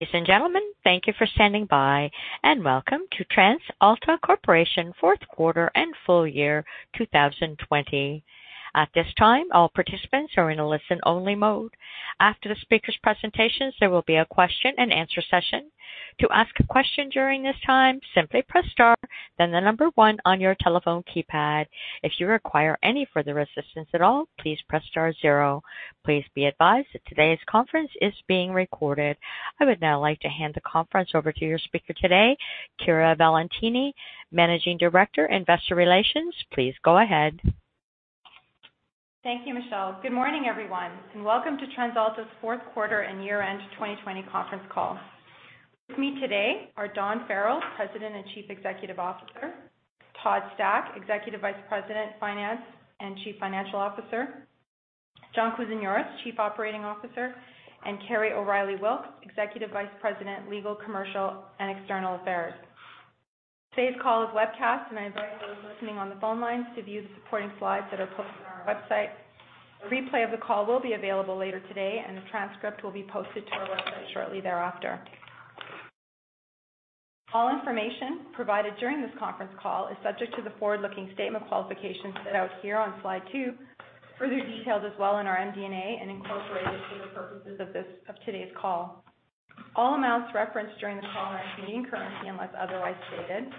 Ladies and gentlemen, thank you for standing by and welcome to TransAlta Corporation Q4 and Full Year 2020. At this time, all participants are in a listen-only mode. After the speakers' presentations, there will be a question-and-answer session. Please be advised that today's conference is being recorded. I would now like to hand the conference over to your speaker today, Chiara Valentini, Managing Director, Investor Relations. Please go ahead. Thank you, Michelle. Good morning, everyone, and welcome to TransAlta's Q4 and Year-End 2020 conference call. With me today are Dawn Farrell, President and Chief Executive Officer, Todd Stack, Executive Vice President, Finance, and Chief Financial Officer, John Kousinioris, Chief Operating Officer, and Kerry O'Reilly Wilks, Executive Vice President, Legal, Commercial, and External Affairs. Today's call is webcast, and I invite those listening on the phone lines to view the supporting slides that are posted on our website. A replay of the call will be available later today, and a transcript will be posted to our website shortly thereafter. All information provided during this conference call is subject to the forward-looking statement qualifications set out here on slide two, further detailed as well in our MD&A and incorporated for the purposes of today's call. All amounts referenced during the call are in Canadian currency, unless otherwise stated.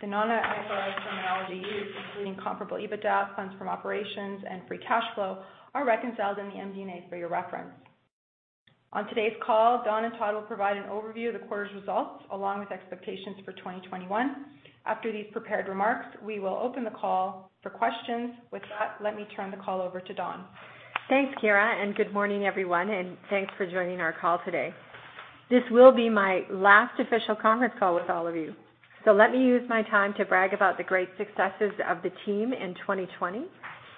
The non-IFRS terminology used, including comparable EBITDA, funds from operations, and free cash flow, are reconciled in the MD&A for your reference. On today's call, Dawn and Todd will provide an overview of the quarter's results, along with expectations for 2021. After these prepared remarks, we will open the call for questions. With that, let me turn the call over to Dawn. Thanks, Chiara, and good morning, everyone, and thanks for joining our call today. This will be my last official conference call with all of you. Let me use my time to brag about the great successes of the team in 2020,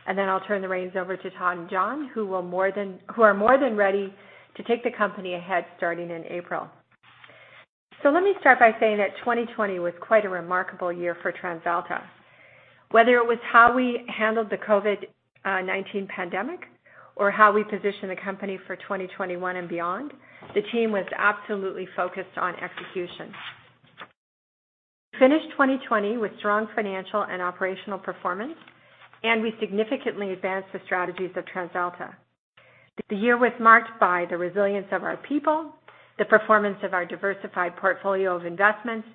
and then I'll turn the reins over to Todd and John, who are more than ready to take the company ahead starting in April. Let me start by saying that 2020 was quite a remarkable year for TransAlta. Whether it was how we handled the COVID-19 pandemic or how we positioned the company for 2021 and beyond, the team was absolutely focused on execution. We finished 2020 with strong financial and operational performance, and we significantly advanced the strategies of TransAlta. The year was marked by the resilience of our people, the performance of our diversified portfolio of investments,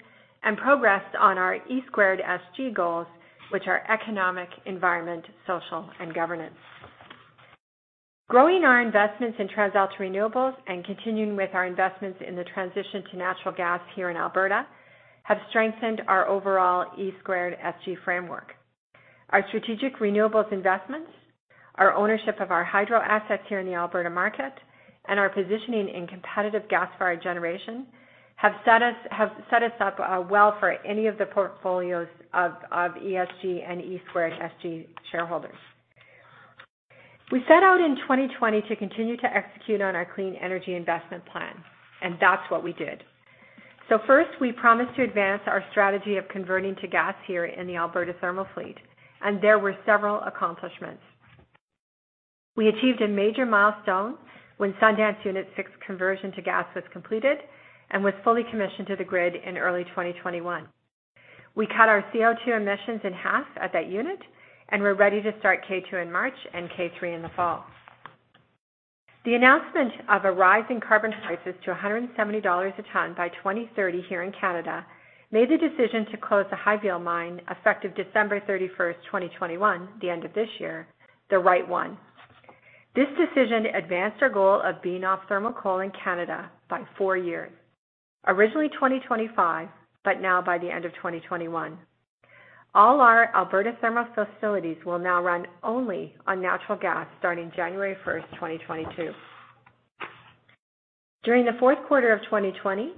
and progress on our E2SG goals, which are economic, environment, social, and governance. Growing our investments in TransAlta Renewables and continuing with our investments in the transition to natural gas here in Alberta have strengthened our overall E2SG framework. Our strategic renewables investments, our ownership of our hydro assets here in the Alberta market, and our positioning in competitive gas-fired generation have set us up well for any of the portfolios of ESG and E2SG shareholders. We set out in 2020 to continue to execute on our clean energy investment plan, and that's what we did. First, we promised to advance our strategy of converting to gas here in the Alberta thermal fleet, and there were several accomplishments. We achieved a major milestone when Sundance Unit 6 conversion to gas was completed and was fully commissioned to the grid in early 2021. We cut our CO2 emissions in half at that unit. We're ready to start K2 in March and K3 in the fall. The announcement of a rise in carbon prices to 170 dollars a ton by 2030 here in Canada made the decision to close the Highvale Mine effective December 31st, 2021, the end of this year, the right one. This decision advanced our goal of being off thermal coal in Canada by four years, originally 2025, but now by the end of 2021. All our Alberta thermal facilities will now run only on natural gas starting January 1st, 2022. During the Q4 of 2020,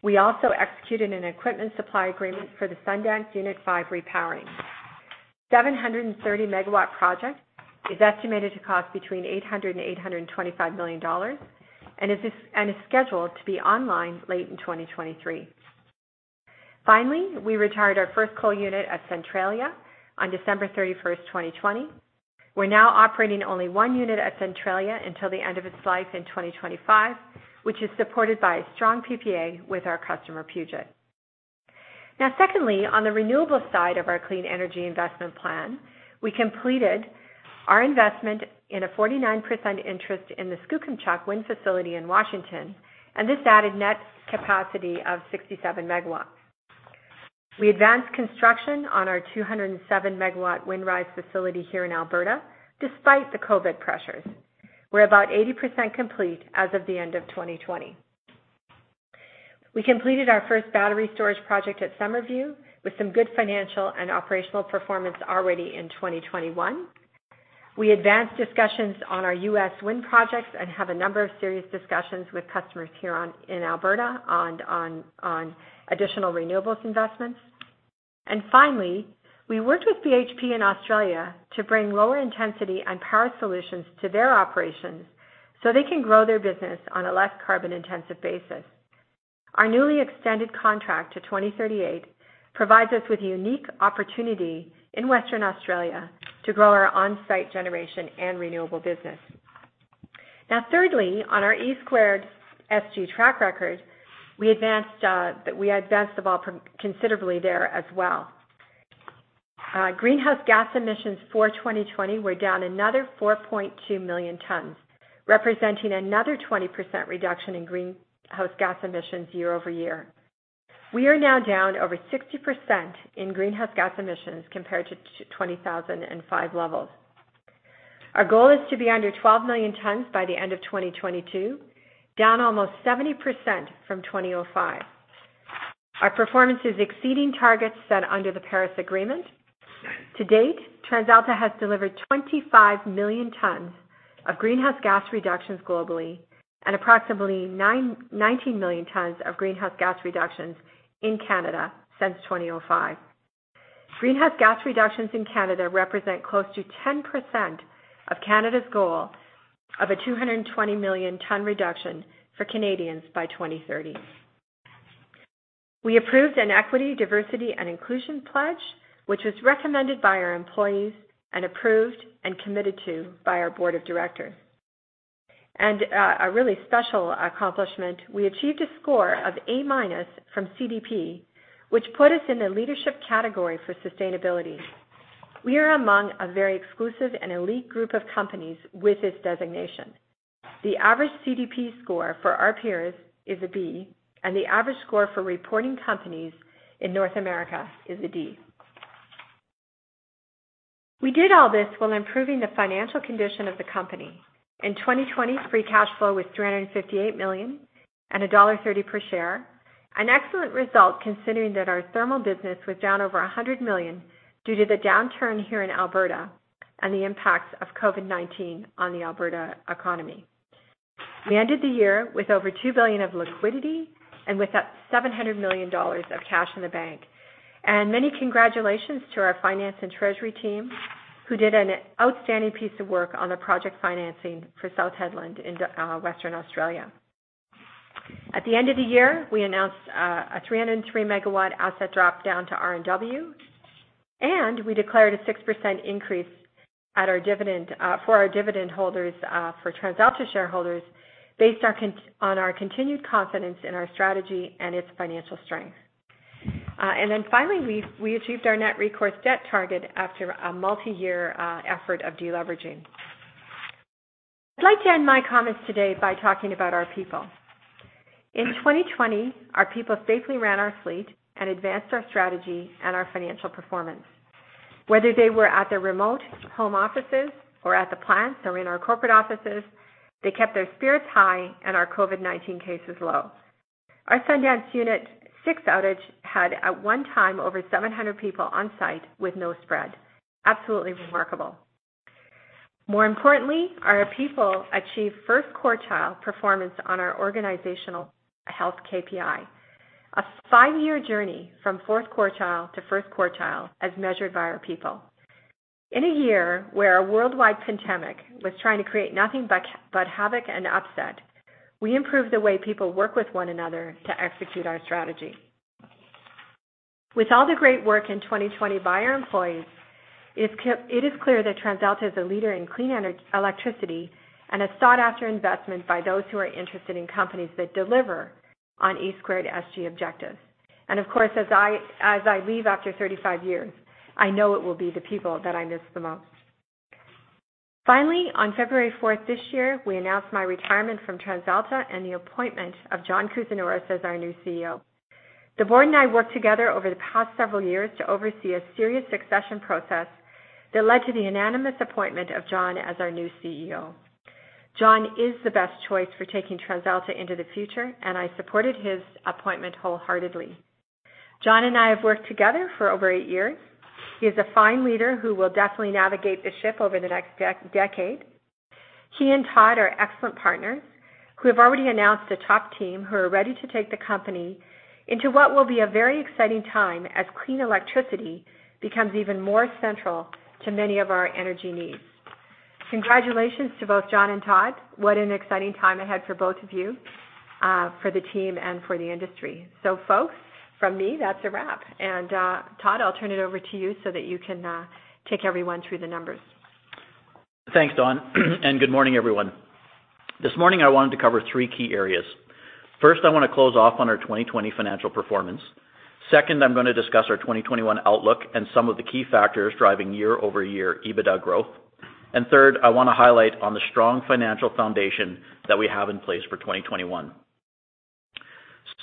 we also executed an equipment supply agreement for the Sundance Unit 5 repowering. The 730-megawatt project is estimated to cost between 800 million dollars and CAD 825 million and is scheduled to be online late in 2023. Finally, we retired our first coal unit at Centralia on December 31st, 2020. We are now operating only one unit at Centralia until the end of its life in 2025, which is supported by a strong PPA with our customer, Puget. Secondly, on the renewables side of our clean energy investment plan, we completed our investment in a 49% interest in the Skookumchuck wind facility in Washington, and this added net capacity of 67 megawatts. We advanced construction on our 207-megawatt Windrise facility here in Alberta, despite the COVID pressures. We are about 80% complete as of the end of 2020. We completed our first battery storage project at Summerview, with some good financial and operational performance already in 2021. We advanced discussions on our U.S. wind projects and have a number of serious discussions with customers here in Alberta on additional renewables investments. finally, we worked with BHP in Australia to bring lower intensity and power solutions to their operations so they can grow their business on a less carbon-intensive basis. Our newly extended contract to 2038 provides us with a unique opportunity in Western Australia to grow our on-site generation and renewable business. Now, thirdly, on our E2SG track record, we advanced the ball considerably there as well. Greenhouse gas emissions for 2020 were down another 4.2 million tons, representing another 20% reduction in greenhouse gas emissions year-over-year. We are now down over 60% in greenhouse gas emissions compared to 2005 levels. Our goal is to be under 12 million tons by the end of 2022, down almost 70% from 2005. Our performance is exceeding targets set under the Paris Agreement. To date, TransAlta has delivered 25 million tons of greenhouse gas reductions globally and approximately 19 million tons of greenhouse gas reductions in Canada since 2005. Greenhouse gas reductions in Canada represent close to 10% of Canada's goal of a 220 million ton reduction for Canadians by 2030. We approved an equity, diversity, and inclusion pledge, which was recommended by our employees and approved and committed to by our board of directors. A really special accomplishment, we achieved a score of A- from CDP, which put us in the leadership category for sustainability. We are among a very exclusive and elite group of companies with this designation. The average CDP score for our peers is a B, and the average score for reporting companies in North America is a D. We did all this while improving the financial condition of the company. In 2020, free cash flow was 358 million and dollar 1.30 per share. An excellent result considering that our thermal business was down over 100 million due to the downturn here in Alberta and the impacts of COVID-19 on the Alberta economy. We ended the year with over 2 billion of liquidity and with that, 700 million dollars of cash in the bank. Many congratulations to our finance and treasury team, who did an outstanding piece of work on the project financing for South Hedland in Western Australia. At the end of the year, we announced a 303-megawatt asset drop down to RNW, and we declared a 6% increase for our dividend holders, for TransAlta shareholders, based on our continued confidence in our strategy and its financial strength. Finally, we achieved our net recourse debt target after a multi-year effort of deleveraging. I'd like to end my comments today by talking about our people. In 2020, our people safely ran our fleet and advanced our strategy and our financial performance. Whether they were at their remote home offices or at the plants or in our corporate offices, they kept their spirits high and our COVID-19 cases low. Our Sundance Unit 6 outage had, at one time, over 700 people on-site with no spread. Absolutely remarkable. More importantly, our people achieved 1st quartile performance on our organizational health KPI. A five-year journey from fourth quartile to first quartile, as measured by our people. In a year where a worldwide pandemic was trying to create nothing but havoc and upset, we improved the way people work with one another to execute our strategy. With all the great work in 2020 by our employees, it is clear that TransAlta is a leader in clean electricity and a sought-after investment by those who are interested in companies that deliver on E2SG objectives. Of course, as I leave after 35 years, I know it will be the people that I miss the most. Finally, on February 4th this year, we announced my retirement from TransAlta and the appointment of John Kousinioris as our new CEO. The board and I worked together over the past several years to oversee a serious succession process that led to the unanimous appointment of John as our new CEO. John is the best choice for taking TransAlta into the future. I supported his appointment wholeheartedly. John and I have worked together for over eight years. He is a fine leader who will definitely navigate the ship over the next decade. He and Todd are excellent partners, who have already announced a top team who are ready to take the company into what will be a very exciting time as clean electricity becomes even more central to many of our energy needs. Congratulations to both John and Todd. What an exciting time ahead for both of you, for the team, and for the industry. Folks, from me, that's a wrap. Todd, I'll turn it over to you so that you can take everyone through the numbers. Thanks, Dawn, good morning, everyone. This morning, I wanted to cover three key areas. First, I want to close off on our 2020 financial performance. Second, I'm going to discuss our 2021 outlook and some of the key factors driving year-over-year EBITDA growth. Third, I want to highlight on the strong financial foundation that we have in place for 2021.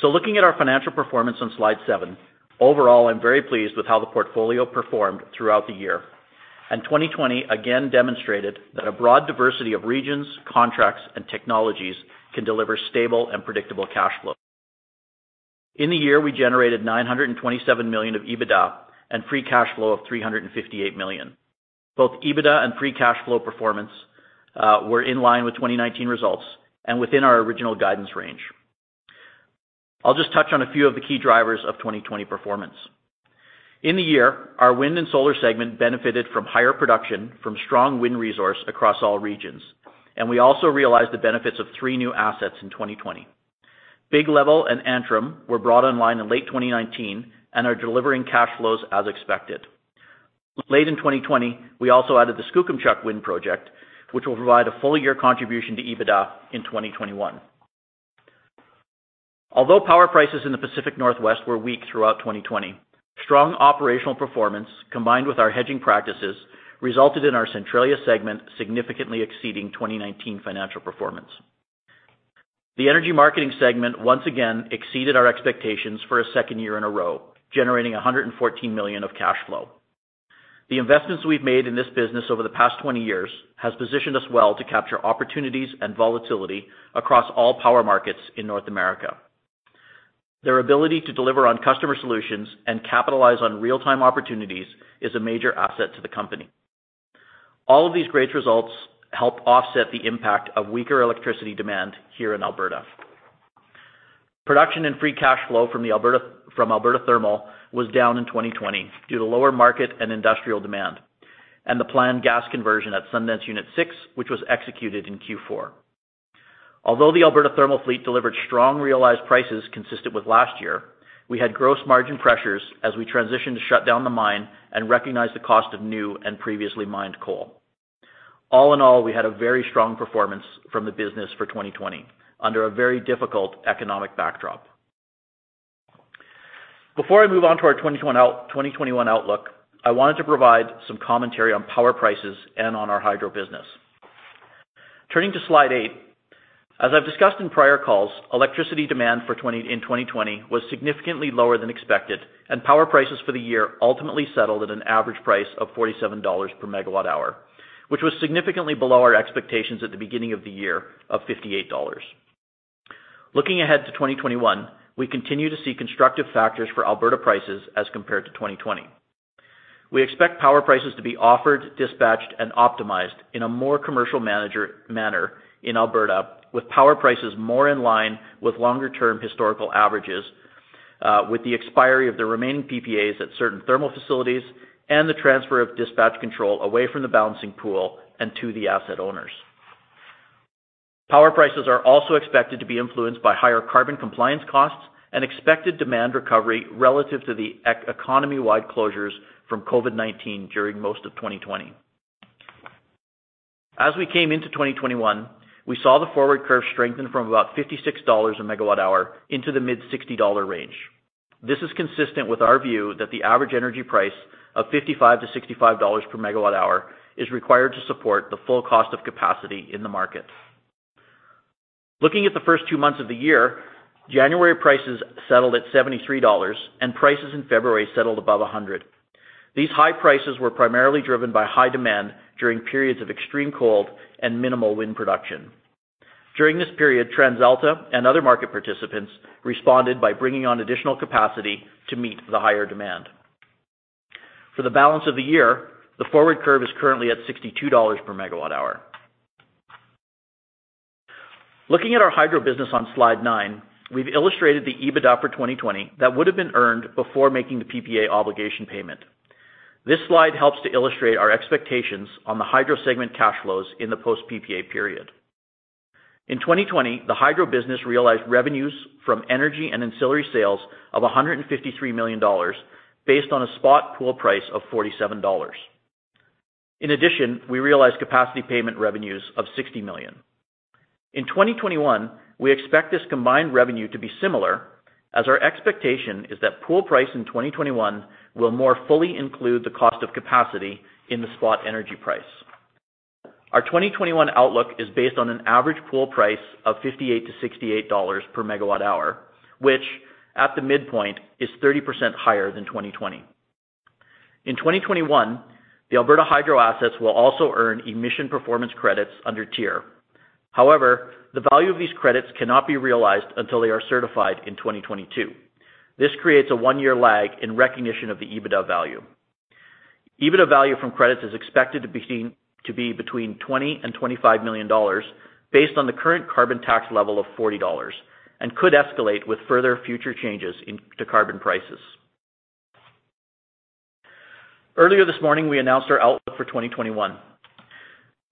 Looking at our financial performance on slide seven, overall, I'm very pleased with how the portfolio performed throughout the year. 2020 again demonstrated that a broad diversity of regions, contracts, and technologies can deliver stable and predictable cash flow. In the year, we generated 927 million of EBITDA and free cash flow of 358 million. Both EBITDA and free cash flow performance were in line with 2019 results and within our original guidance range. I'll just touch on a few of the key drivers of 2020 performance. In the year, our wind and solar segment benefited from higher production from strong wind resource across all regions, and we also realized the benefits of three new assets in 2020. Big Level and Antrim were brought online in late 2019 and are delivering cash flows as expected. Late in 2020, we also added the Skookumchuck Wind Project, which will provide a full-year contribution to EBITDA in 2021. Although power prices in the Pacific Northwest were weak throughout 2020, strong operational performance, combined with our hedging practices, resulted in our Centralia segment significantly exceeding 2019 financial performance. The energy marketing segment once again exceeded our expectations for a second year in a row, generating 114 million of cash flow. The investments we've made in this business over the past 20 years has positioned us well to capture opportunities and volatility across all power markets in North America. Their ability to deliver on customer solutions and capitalize on real-time opportunities is a major asset to the company. All of these great results help offset the impact of weaker electricity demand here in Alberta. Production and free cash flow from Alberta Thermal was down in 2020 due to lower market and industrial demand and the planned gas conversion at Sundance Unit Six, which was executed in Q4. Although the Alberta Thermal fleet delivered strong realized prices consistent with last year, we had gross margin pressures as we transitioned to shut down the mine and recognized the cost of new and previously mined coal. All in all, we had a very strong performance from the business for 2020 under a very difficult economic backdrop. Before I move on to our 2021 outlook, I wanted to provide some commentary on power prices and on our hydro business. Turning to slide eight, as I've discussed in prior calls, electricity demand in 2020 was significantly lower than expected, and power prices for the year ultimately settled at an average price of 47 dollars per megawatt hour, which was significantly below our expectations at the beginning of the year of 58 dollars. Looking ahead to 2021, we continue to see constructive factors for Alberta prices as compared to 2020. We expect power prices to be offered, dispatched, and optimized in a more commercial manner in Alberta, with power prices more in line with longer-term historical averages, with the expiry of the remaining PPAs at certain thermal facilities and the transfer of dispatch control away from the balancing pool and to the asset owners. Power prices are also expected to be influenced by higher carbon compliance costs and expected demand recovery relative to the economy-wide closures from COVID-19 during most of 2020. As we came into 2021, we saw the forward curve strengthen from about 56 dollars a megawatt hour into the mid-CAD 60 range. This is consistent with our view that the average energy price of 55-65 dollars per megawatt hour is required to support the full cost of capacity in the market. Looking at the first two months of the year, January prices settled at 73 dollars, and prices in February settled above 100. These high prices were primarily driven by high demand during periods of extreme cold and minimal wind production. During this period, TransAlta and other market participants responded by bringing on additional capacity to meet the higher demand. For the balance of the year, the forward curve is currently at 62 dollars per megawatt hour. Looking at our hydro business on slide nine, we've illustrated the EBITDA for 2020 that would have been earned before making the PPA obligation payment. This slide helps to illustrate our expectations on the hydro segment cash flows in the post-PPA period. In 2020, the hydro business realized revenues from energy and ancillary sales of 153 million dollars based on a spot pool price of 47 dollars. In addition, we realized capacity payment revenues of 60 million. In 2021, we expect this combined revenue to be similar, as our expectation is that pool price in 2021 will more fully include the cost of capacity in the spot energy price. Our 2021 outlook is based on an average pool price of 58-68 dollars per megawatt hour, which at the midpoint is 30% higher than 2020. In 2021, the Alberta Hydro assets will also earn emission performance credits under TIER. However, the value of these credits cannot be realized until they are certified in 2022. This creates a one-year lag in recognition of the EBITDA value. EBITDA value from credits is expected to be between 20 million and 25 million dollars based on the current carbon tax level of 40 dollars and could escalate with further future changes to carbon prices. Earlier this morning, we announced our outlook for 2021.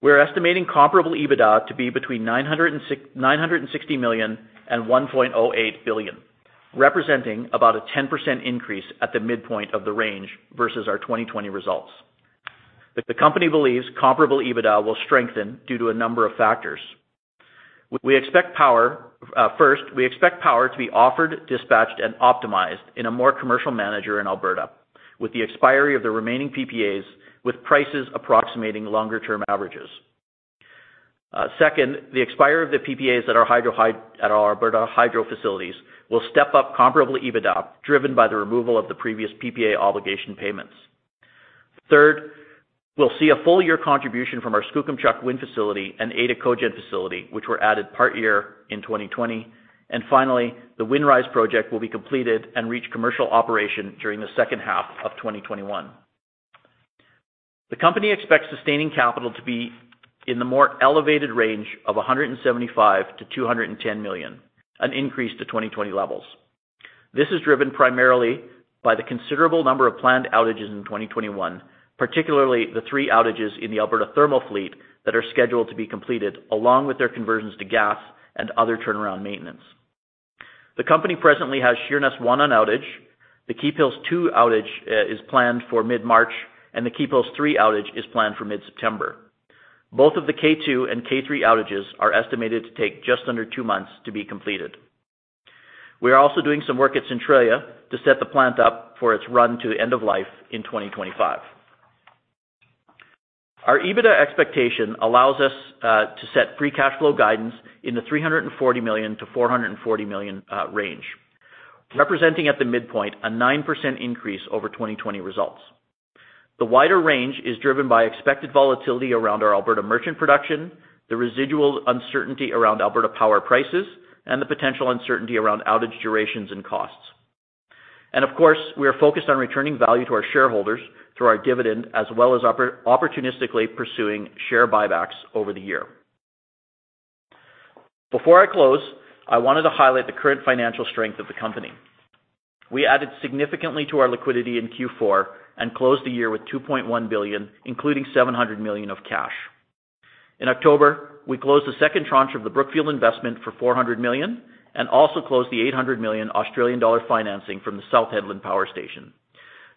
We're estimating comparable EBITDA to be between 960 million and 1.08 billion, representing about a 10% increase at the midpoint of the range versus our 2020 results. The company believes comparable EBITDA will strengthen due to a number of factors. First, we expect power to be offered, dispatched, and optimized in a more commercial manner in Alberta with the expiry of the remaining PPAs, with prices approximating longer-term averages. Second, the expiry of the PPAs at our Alberta hydro facilities will step up comparable EBITDA, driven by the removal of the previous PPA obligation payments. Third, we'll see a full-year contribution from our Skookumchuck Wind facility and Ada Cogen facility, which were added part-year in 2020. Finally, the Windrise project will be completed and reach commercial operation during the H2 of 2021. The company expects sustaining capital to be in the more elevated range of 175-210 million, an increase to 2020 levels. This is driven primarily by the considerable number of planned outages in 2021, particularly the three outages in the Alberta thermal fleet that are scheduled to be completed, along with their conversions to gas and other turnaround maintenance. The company presently has Sheerness 1 on outage. The Keephills 2 outage is planned for mid-March, and the Keephills 3 outage is planned for mid-September. Both of the K2 and K3 outages are estimated to take just under two months to be completed. We are also doing some work at Centralia to set the plant up for its run to the end of life in 2025. Our EBITDA expectation allows us to set free cash flow guidance in the 340-440 million range, representing at the midpoint a 9% increase over 2020 results. The wider range is driven by expected volatility around our Alberta merchant production, the residual uncertainty around Alberta power prices, and the potential uncertainty around outage durations and costs. Of course, we are focused on returning value to our shareholders through our dividend, as well as opportunistically pursuing share buybacks over the year. Before I close, I wanted to highlight the current financial strength of the company. We added significantly to our liquidity in Q4 and closed the year with 2.1 billion, including 700 million of cash. In October, we closed the second tranche of the Brookfield investment for 400 million and also closed the 800 million Australian dollar financing from the South Hedland Power Station.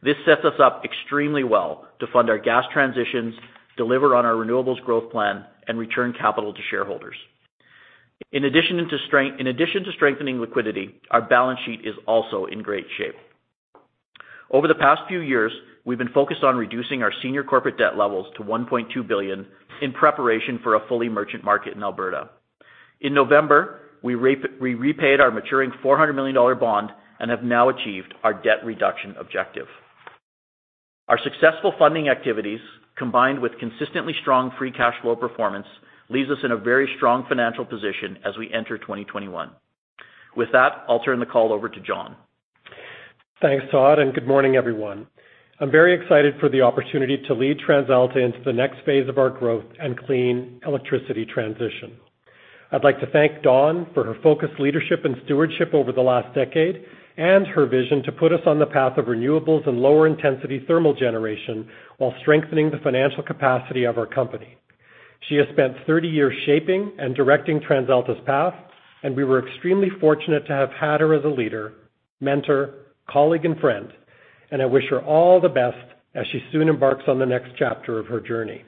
This sets us up extremely well to fund our gas transitions, deliver on our renewable's growth plan, and return capital to shareholders. In addition to strengthening liquidity, our balance sheet is also in great shape. Over the past few years, we've been focused on reducing our senior corporate debt levels to 1.2 billion in preparation for a fully merchant market in Alberta. In November, we repaid our maturing 400 million dollar bond and have now achieved our debt reduction objective. Our successful funding activities, combined with consistently strong free cash flow performance, leaves us in a very strong financial position as we enter 2021. With that, I'll turn the call over to John. Thanks, Todd, and good morning, everyone. I'm very excited for the opportunity to lead TransAlta into the next phase of our growth and clean electricity transition. I'd like to thank Dawn for her focused leadership and stewardship over the last decade and her vision to put us on the path of renewables and lower intensity thermal generation while strengthening the financial capacity of our company. She has spent 30 years shaping and directing TransAlta's path, and we were extremely fortunate to have had her as a leader, mentor, colleague, and friend, and I wish her all the best as she soon embarks on the next chapter of her journey.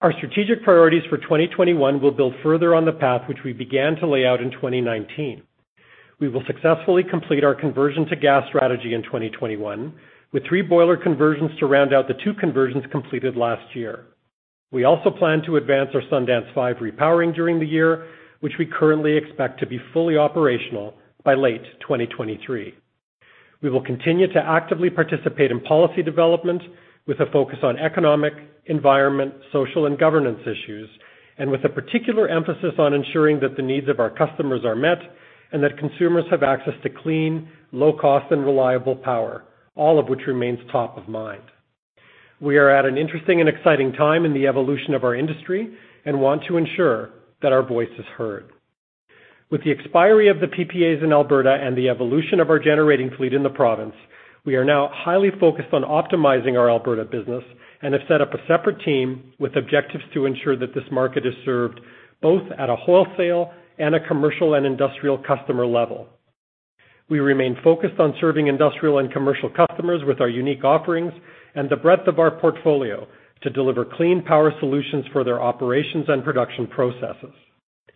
Our strategic priorities for 2021 will build further on the path which we began to lay out in 2019. We will successfully complete our conversion to gas strategy in 2021, with three boiler conversions to round out the two conversions completed last year. We also plan to advance our Sundance Five repowering during the year, which we currently expect to be fully operational by late 2023. We will continue to actively participate in policy development with a focus on economic, environment, social, and governance issues, and with a particular emphasis on ensuring that the needs of our customers are met and that consumers have access to clean, low-cost, and reliable power, all of which remains top of mind. We are at an interesting and exciting time in the evolution of our industry and want to ensure that our voice is heard. With the expiry of the PPAs in Alberta and the evolution of our generating fleet in the province, we are now highly focused on optimizing our Alberta business and have set up a separate team with objectives to ensure that this market is served both at a wholesale and a commercial and industrial customer level. We remain focused on serving industrial and commercial customers with our unique offerings and the breadth of our portfolio to deliver clean power solutions for their operations and production processes.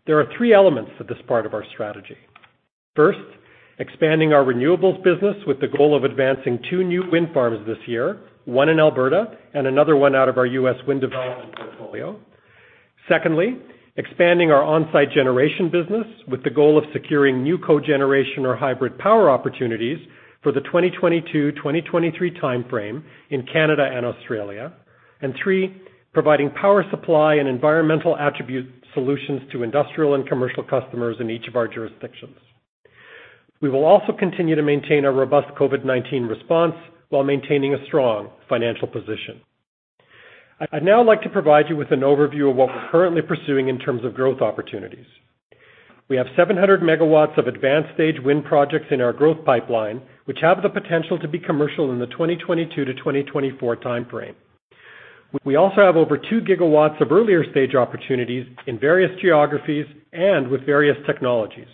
There are three elements to this part of our strategy. First, expanding our renewables business with the goal of advancing two new wind farms this year, one in Alberta and another one out of our U.S. wind development portfolio. Secondly, expanding our on-site generation business with the goal of securing new cogeneration or hybrid power opportunities for the 2022-2023 timeframe in Canada and Australia. three, providing power supply and environmental attribute solutions to industrial and commercial customers in each of our jurisdictions. We will also continue to maintain a robust COVID-19 response while maintaining a strong financial position. I'd now like to provide you with an overview of what we're currently pursuing in terms of growth opportunities. We have 700 MW of advanced stage wind projects in our growth pipeline, which have the potential to be commercial in the 2022-2024 timeframe. We also have over two GW of earlier-stage opportunities in various geographies and with various technologies.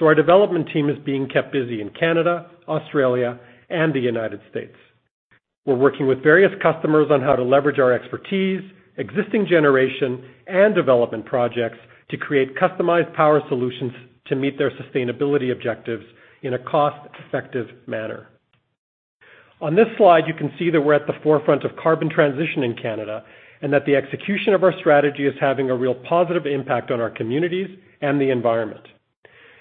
Our development team is being kept busy in Canada, Australia, and the United States. We're working with various customers on how to leverage our expertise, existing generation, and development projects to create customized power solutions to meet their sustainability objectives in a cost-effective manner. On this slide, you can see that we're at the forefront of carbon transition in Canada and that the execution of our strategy is having a real positive impact on our communities and the environment.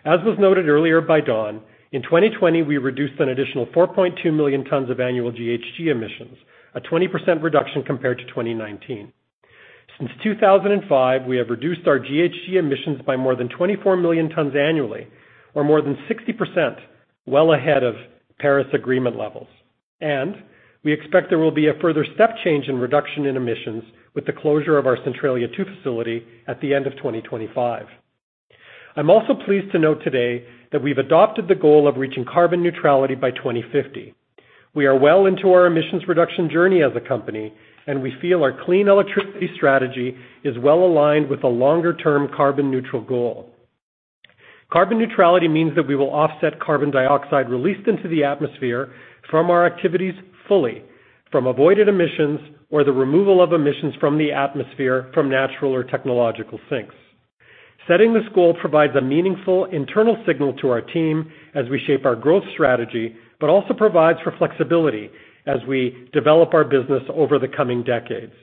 As was noted earlier by Dawn, in 2020, we reduced an additional 4.2 million tons of annual GHG emissions, a 20% reduction compared to 2019. Since 2005, we have reduced our GHG emissions by more than 24 million tonnes annually, or more than 60%, well ahead of Paris Agreement levels. We expect there will be a further step change in reduction in emissions with the closure of our Centralia 2 facility at the end of 2025. I'm also pleased to note today that we've adopted the goal of reaching carbon neutrality by 2050. We are well into our emissions reduction journey as a company, and we feel our clean electricity strategy is well-aligned with the longer-term carbon neutral goal. Carbon neutrality means that we will offset carbon dioxide released into the atmosphere from our activities fully, from avoided emissions, or the removal of emissions from the atmosphere from natural or technological sinks. Setting this goal provides a meaningful internal signal to our team as we shape our growth strategy but also provides for flexibility as we develop our business over the coming decades.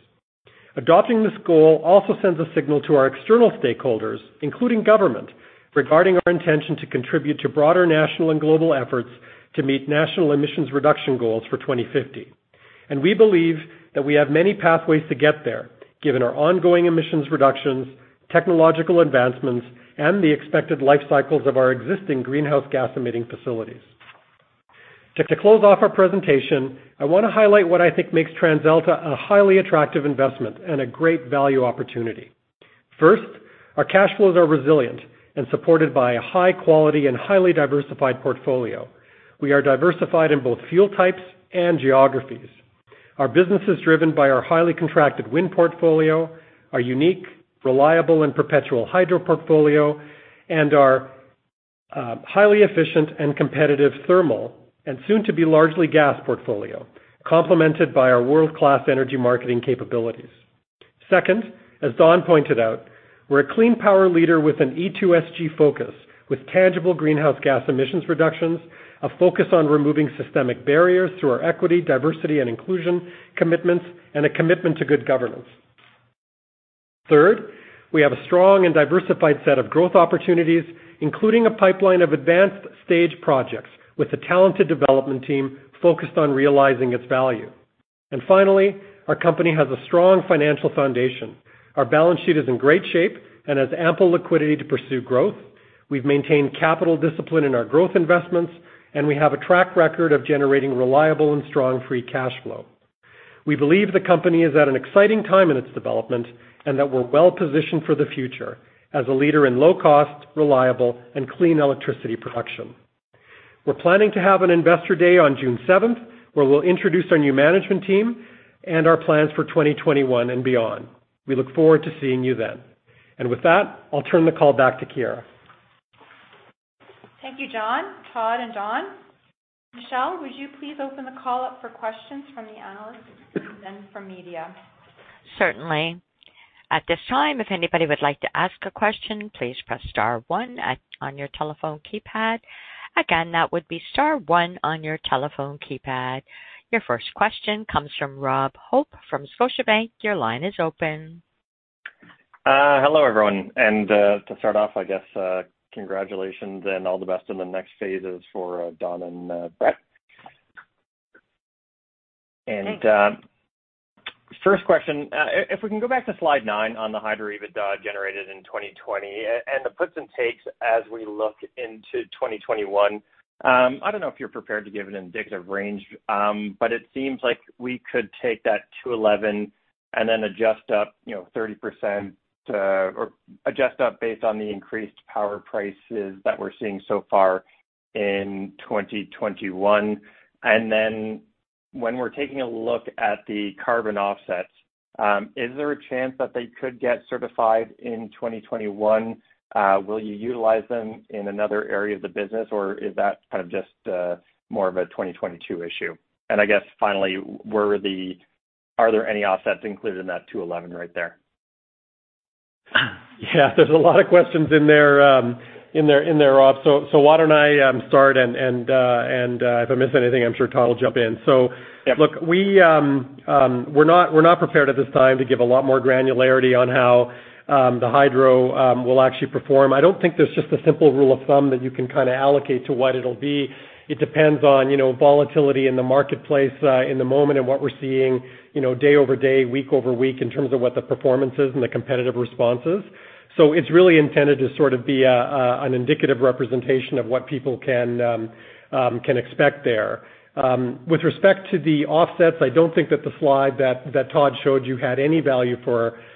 Adopting this goal also sends a signal to our external stakeholders, including government, regarding our intention to contribute to broader national and global efforts to meet national emissions reduction goals for 2050. We believe that we have many pathways to get there given our ongoing emissions reductions, technological advancements, and the expected life cycles of our existing greenhouse gas emitting facilities. To close off our presentation, I want to highlight what I think makes TransAlta a highly attractive investment and a great value opportunity. First, our cash flows are resilient and supported by a high quality and highly diversified portfolio. We are diversified in both fuel types and geographies. Our business is driven by our highly contracted wind portfolio, our unique, reliable, and perpetual hydro portfolio, and our highly efficient and competitive thermal, and soon to be largely gas portfolio, complemented by our world-class energy marketing capabilities. Second, as Dawn pointed out, we're a clean power leader with an E2SG focus, with tangible greenhouse gas emissions reductions, a focus on removing systemic barriers through our equity, diversity, and inclusion commitments, and a commitment to good governance. Third, we have a strong and diversified set of growth opportunities, including a pipeline of advanced stage projects with a talented development team focused on realizing its value. Finally, our company has a strong financial foundation. Our balance sheet is in great shape and has ample liquidity to pursue growth. We've maintained capital discipline in our growth investments, and we have a track record of generating reliable and strong free cash flow. We believe the company is at an exciting time in its development, and that we're well-positioned for the future as a leader in low-cost, reliable, and clean electricity production. We're planning to have an investor day on June 7th, where we'll introduce our new management team and our plans for 2021 and beyond. We look forward to seeing you then. I'll turn the call back to Chiara. Thank you, John, Todd, and Dawn. Michelle, would you please open the call up for questions from the analysts and then from media? Certainly. At this time, if anybody would like to ask a question, please press star one on your telephone keypad. Again, that would be star one on your telephone keypad. Your first question comes from Rob Hope from Scotiabank. Your line is open. Hello, everyone. To start off, I guess, congratulations and all the best in the next phases for Dawn and Brett. Thanks. First question, if we can go back to slide nine on the hydro EBITDA generated in 2020, and the puts and takes as we look into 2021. I don't know if you're prepared to give an indicative range, but it seems like we could take that 211 and then adjust up 30% or adjust up based on the increased power prices that we're seeing so far in 2021. And then when we're taking a look at the carbon offsets, is there a chance that they could get certified in 2021? Will you utilize them in another area of the business, or is that kind of just more of a 2022 issue? And I guess finally, are there any offsets included in that 211 right there? Yeah. There's a lot of questions in there, Rob. Why don't I start, and if I miss anything, I'm sure Todd will jump in. Yeah Look, we're not prepared at this time to give a lot more granularity on how the hydro will actually perform. I don't think there's just a simple rule of thumb that you can allocate to what it'll be. It depends on volatility in the marketplace, in the moment, and what we're seeing day over day, week over week in terms of what the performance is and the competitive response is. It's really intended to sort of be, an indicative representation of what people can expect there. With respect to the offsets, I don't think that the slide that Todd showed you had any value for offsets.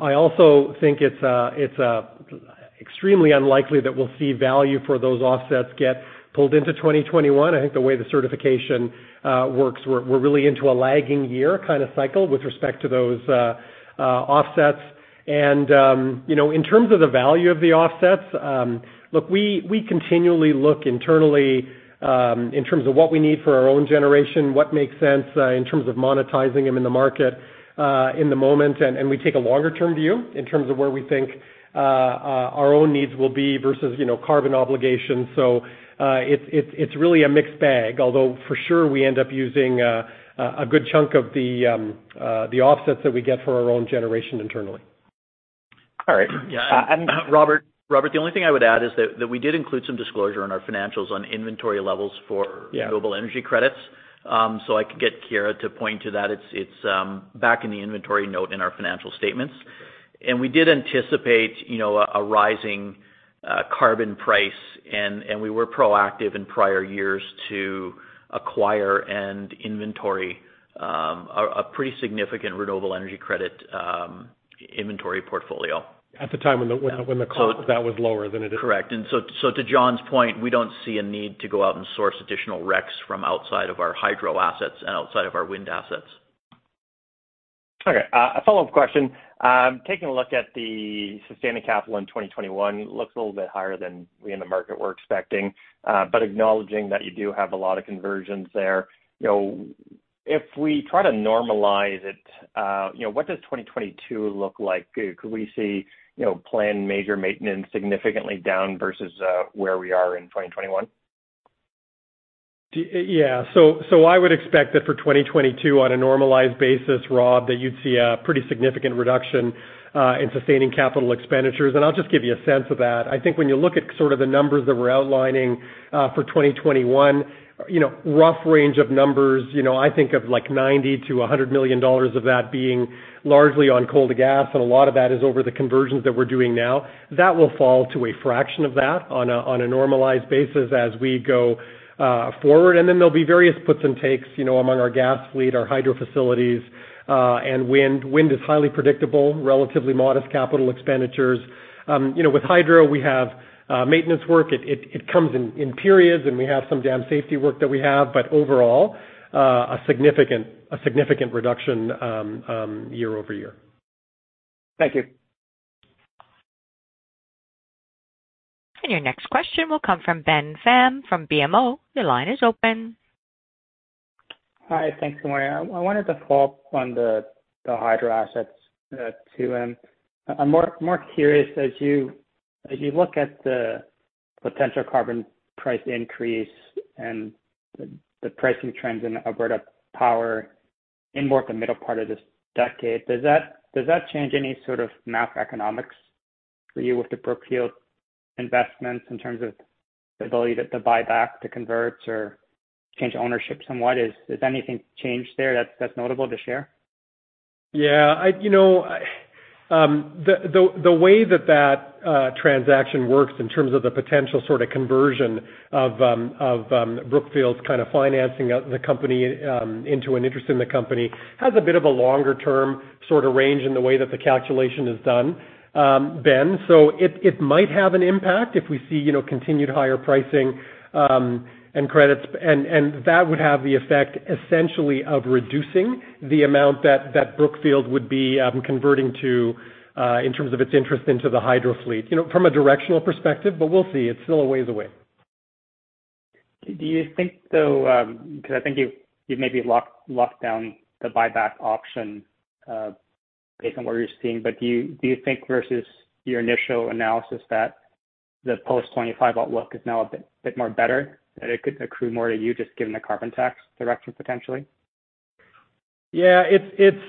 I also think it's extremely unlikely that we'll see value for those offsets get pulled into 2021. I think the way the certification works; we're really into a lagging year kind of cycle with respect to those offsets. in terms of the value of the offsets, look, we continually look internally, in terms of what we need for our own generation, what makes sense in terms of monetizing them in the market, in the moment, and we take a longer-term view in terms of where we think our own needs will be versus carbon obligations. it's really a mixed bag. Although, for sure, we end up using a good chunk of the offsets that we get for our own generation internally. All right. Yeah. Robert, the only thing I would add is that we did include some disclosure in our financials on inventory levels for renewable energy credits. I could get Kira to point to that. It's back in the inventory note in our financial statements. we did anticipate a rising carbon price, and we were proactive in prior years to acquire and inventory a pretty significant renewable energy credit inventory portfolio. At the time when the cost of that was lower than it is now. Correct. to John's point, we don't see a need to go out and source additional RECs from outside of our hydro assets and outside of our wind assets. Okay. A follow-up question. Taking a look at the sustaining capital in 2021, looks a little bit higher than we in the market were expecting. Acknowledging that you do have a lot of conversions there. If we try to normalize it, what does 2022 look like? Could we see planned major maintenance significantly down versus where we are in 2021? Yeah. I would expect that for 2022, on a normalized basis, Rob, that you'd see a pretty significant reduction in sustaining capital expenditures, and I'll just give you a sense of that. I think when you look at sort of the numbers that we're outlining for 2021, rough range of numbers, I think of like 90-100 million dollars of that being largely on coal to gas, and a lot of that is over the conversions that we're doing now. That will fall to a fraction of that on a normalized basis as we go forward. There'll be various puts and takes among our gas fleet, our hydro facilities, and wind. Wind is highly predictable, relatively modest capital expenditures. With hydro, we have maintenance work. It comes in periods, and we have some dam safety work that we have. Overall, a significant reduction year-over-year. Thank you. Your next question will come from Ben Pham from BMO. Your line is open. Hi. Thanks, Maria. I wanted to follow up on the hydro assets, too. I'm more curious, as you look at the potential carbon price increase and the pricing trends in Alberta power in more the middle part of this decade, does that change any sort of math economics for you with the Brookfield investments in terms of the ability to buy back the converts or change ownership somewhat? Has anything changed there that's notable to share? Yeah. The way that that transaction works in terms of the potential sort of conversion of Brookfield's kind of financing the company into an interest in the company has a bit of a longer-term sort of range in the way that the calculation is done, Ben. It might have an impact if we see continued higher pricing and credits. That would have the effect, essentially, of reducing the amount that Brookfield would be converting to in terms of its interest into the hydro fleet from a directional perspective, but we'll see. It's still a ways away. Do you think, though, because I think you've maybe locked down the buyback option based on what you're seeing, but do you think, versus your initial analysis, that the post-25 outlook is now a bit more better? That it could accrue more to you just given the carbon tax direction potentially? Yeah. It's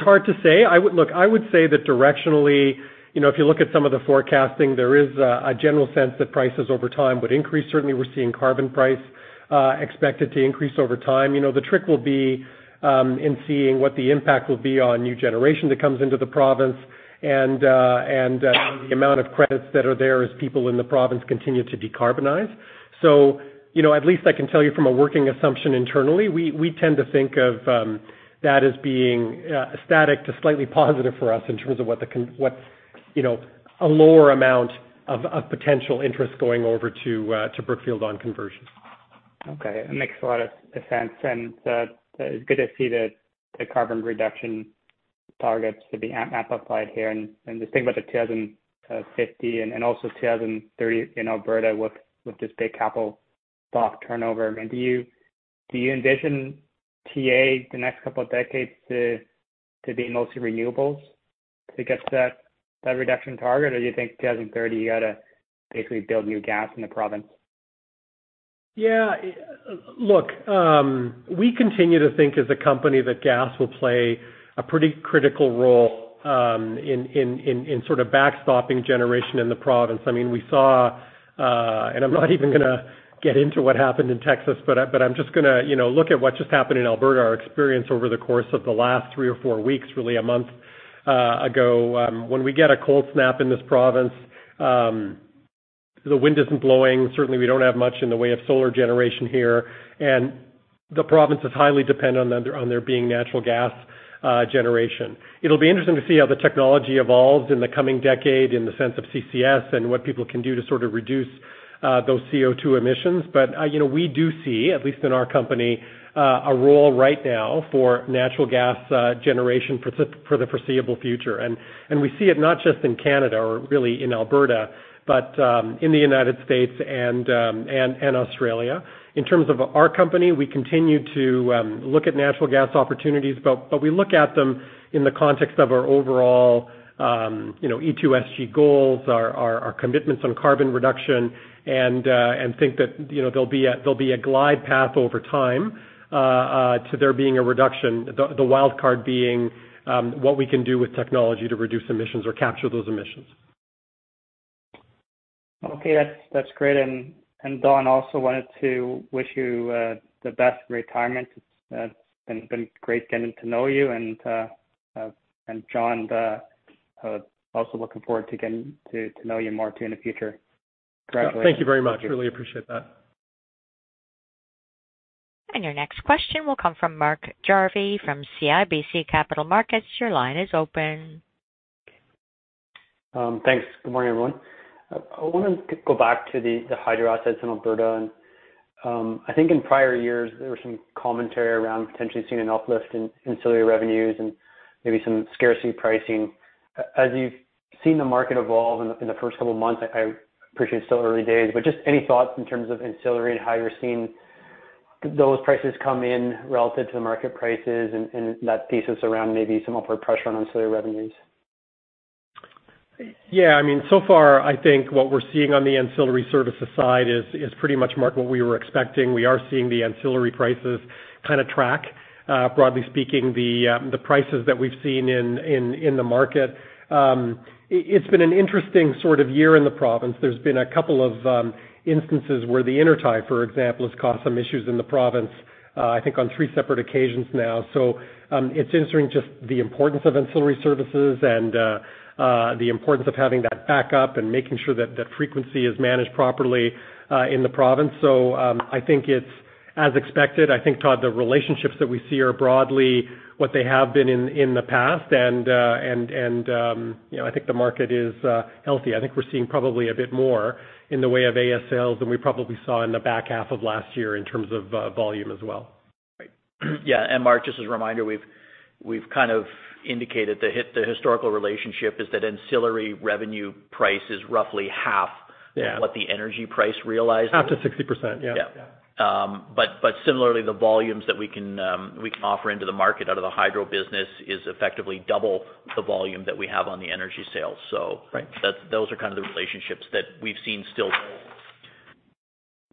hard to say. Look, I would say that directionally, if you look at some of the forecasting, there is a general sense that prices over time would increase. Certainly, we're seeing carbon price expected to increase over time. The trick will be in seeing what the impact will be on new generation that comes into the province and the amount of credits that are there as people in the province continue to decarbonize. At least I can tell you from a working assumption internally, we tend to think of that as being static to slightly positive for us in terms of what a lower amount of potential interest going over to Brookfield on conversion. Okay. That makes a lot of sense. It's good to see the carbon reduction targets to be amplified here and just think about the 2050 and also 2030 in Alberta with this big capital stock turnover. Do you envision TA, the next couple of decades, to be mostly renewables to get to that reduction target? Do you think 2030, you got to basically build new gas in the province? Yeah. Look, we continue to think as a company that gas will play a pretty critical role in sort of backstopping generation in the province. We saw, and I'm not even going to get into what happened in Texas, but I'm just going to look at what just happened in Alberta. Our experience over the course of the last three or four weeks, really a month ago when we get a cold snap in this province, the wind isn't blowing. Certainly, we don't have much in the way of solar generation here, and the province is highly dependent on there being natural gas generation. It'll be interesting to see how the technology evolves in the coming decade in the sense of CCS and what people can do to sort of reduce those CO2 emissions. We do see, at least in our company, a role right now for natural gas generation for the foreseeable future. We see it not just in Canada or really in Alberta, but in the United States and Australia. In terms of our company, we continue to look at natural gas opportunities, but we look at them in the context of our overall E2SG goals, our commitments on carbon reduction, and think that there'll be a glide path over time to there being a reduction. The wildcard being what we can do with technology to reduce emissions or capture those emissions. Okay. That's great. Dawn, also wanted to wish you the best retirement. It's been great getting to know you and, John, also looking forward to getting to know you more, too, in the future. Congratulations. Thank you very much. Really appreciate that. Your next question will come from Mark Jarvi from CIBC Capital Markets. Your line is open. Thanks. Good morning, everyone. I wanted to go back to the hydro assets in Alberta, and I think in prior years, there was some commentary around potentially seeing an uplift in ancillary revenues and maybe some scarcity pricing. As you've seen the market evolve in the first couple of months, I appreciate it's still early days, but just any thoughts in terms of ancillary and how you're seeing those prices come in relative to the market prices and that thesis around maybe some upward pressure on ancillary revenues? Yeah, so far, I think what we're seeing on the ancillary services side is pretty much, Mark, what we were expecting. We are seeing the ancillary prices kind of track, broadly speaking, the prices that we've seen in the market. It's been an interesting sort of year in the province. There's been a couple of instances where the intertie, for example, has caused some issues in the province, I think on three separate occasions now. It's inserting just the importance of ancillary services and the importance of having that backup and making sure that that frequency is managed properly, in the province. I think it's as expected. I think, Todd, the relationships that we see are broadly what they have been in the past, and I think the market is healthy. I think we're seeing probably a bit more in the way of AS sales than we probably saw in the back half of last year in terms of volume as well. Right. Yeah. Mark, just as a reminder, we've kind of indicated the historical relationship is that ancillary revenue price is roughly half of what the energy price realized. Half to 60%. Yeah. Yeah. Similarly, the volumes that we can offer into the market out of the hydro business is effectively double the volume that we have on the energy sales. Right. Those are kind of the relationships that we've seen still hold.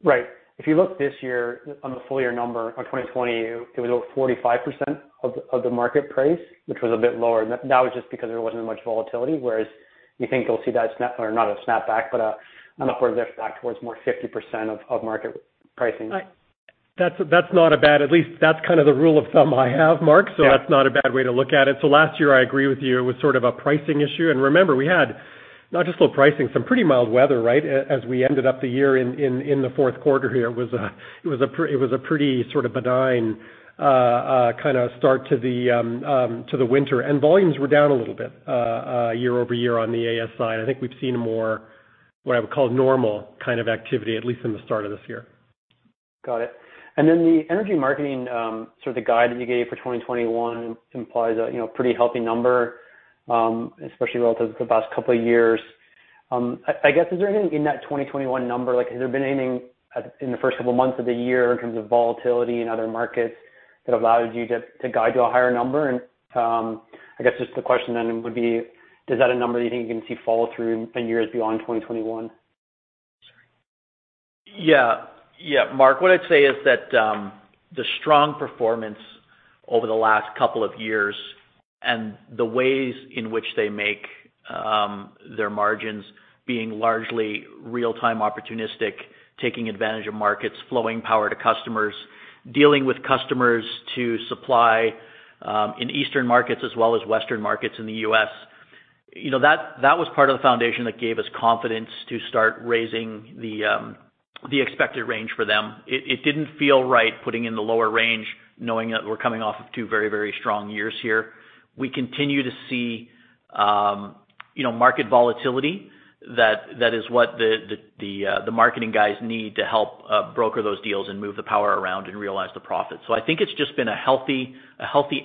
Right. If you look this year on the full-year number on 2020, it was over 45% of the market price, which was a bit lower. That was just because there wasn't much volatility, whereas you think you'll see that or not a snap back, but an upward drift back towards more 50% of market pricing. That's not a bad, at least that's kind of the rule of thumb I have, Mark. Yeah. That's not a bad way to look at it. Last year, I agree with you, it was sort of a pricing issue, and remember, we had not just low pricing, some pretty mild weather, right? As we ended up the year in the Q4 here, it was a pretty sort of benign kind of start to the winter. Volumes were down a little bit year over year on the AS side. I think we've seen a more, what I would call normal kind of activity, at least in the start of this year. Got it. The energy marketing, sort of the guide that you gave for 2021 implies a pretty healthy number, especially relative to the past couple of years. I guess, is there anything in that 2021 number, has there been anything in the first couple of months of the year in terms of volatility in other markets that allowed you to guide to a higher number? I guess just the question then would be, is that a number that you think you can see follow through in years beyond 2021? Yeah, Mark. What I'd say is that, the strong performance over the last couple of years and the ways in which they make their margins being largely real-time opportunistic, taking advantage of markets, flowing power to customers, dealing with customers to supply, in eastern markets as well as western markets in the U.S., that was part of the foundation that gave us confidence to start raising the expected range for them. It didn't feel right putting in the lower range knowing that we're coming off of two very, very strong years here. We continue to see market volatility that is what the marketing guys need to help broker those deals and move the power around and realize the profit. I think it's just been a healthy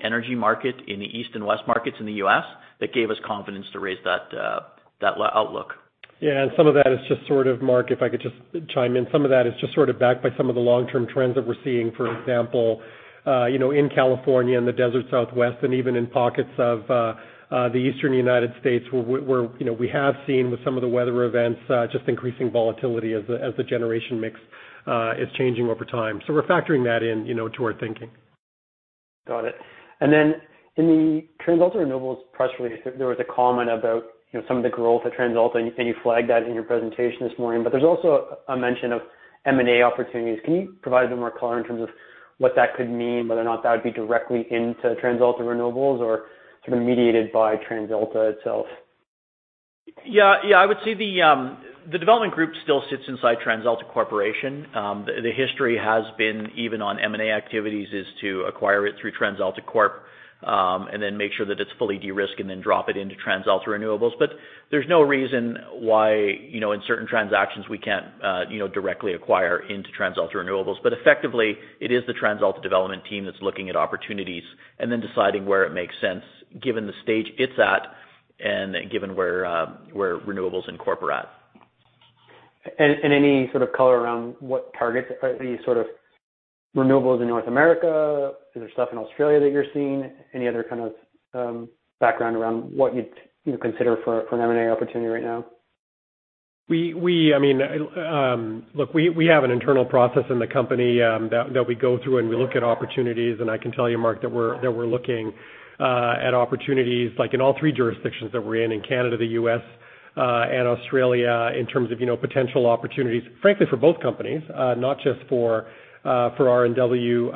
energy market in the east and west markets in the U.S. that gave us confidence to raise that outlook. Yeah, some of that is just sort of, Mark, if I could just chime in, some of that is just sort of backed by some of the long-term trends that we're seeing. For example, in California and the desert Southwest, and even in pockets of the eastern United States, where we have seen with some of the weather events, just increasing volatility as the generation mix is changing over time. We're factoring that in to our thinking. Got it. In the TransAlta Renewables press release, there was a comment about some of the growth at TransAlta, and you flagged that in your presentation this morning, but there's also a mention of M&A opportunities. Can you provide a bit more color in terms of what that could mean, whether or not that would be directly into TransAlta Renewables or sort of mediated by TransAlta itself? Yeah. I would say the development group still sits inside TransAlta Corporation. The history has been even on M&A activities, is to acquire it through TransAlta Corp, and then make sure that it's fully de-risked and then drop it into TransAlta Renewables. There's no reason why in certain transactions we can't directly acquire into TransAlta Renewables. Effectively, it is the TransAlta development team that's looking at opportunities and then deciding where it makes sense given the stage it's at and given where Renewables and Corp are at. Any sort of color around what targets, are these sort of renewables in North America? Is there stuff in Australia that you're seeing? Any other kind of background around what you'd consider for an M&A opportunity right now? Look, we have an internal process in the company that we go through and we look at opportunities, and I can tell you, Mark, that we're looking at opportunities in all three jurisdictions that we're in Canada, the U.S., and Australia, in terms of potential opportunities, frankly, for both companies, not just for RNW.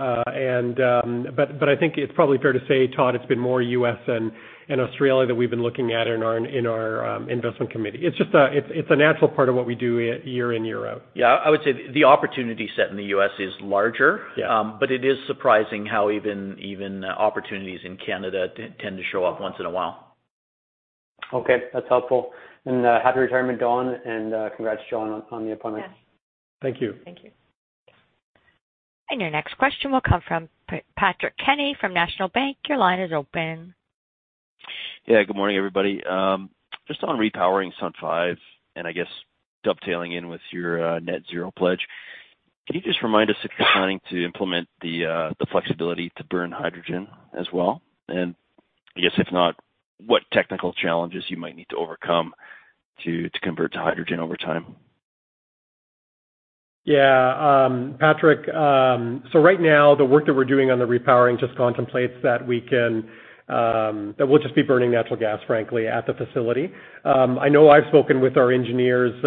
I think it's probably fair to say, Todd, it's been more U.S. and Australia that we've been looking at in our investment committee. It's a natural part of what we do year in, year out. Yeah. I would say the opportunity set in the U.S. is larger. Yeah. It is surprising how even opportunities in Canada tend to show up once in a while. Okay, that's helpful. Happy retirement, Dawn, and congrats, John, on the appointment. Thank you. Thank you. Your next question will come from Patrick Kenny from National Bank. Your line is open. Yeah. Good morning, everybody. Just on repowering Sundance 5, and I guess dovetailing in with your net zero pledge, can you just remind us if you're planning to implement the flexibility to burn hydrogen as well? I guess if not, what technical challenges you might need to overcome to convert to hydrogen over time? Yeah. Patrick, right now, the work that we're doing on the repowering just contemplates that we'll just be burning natural gas, frankly, at the facility. I know I've spoken with our engineers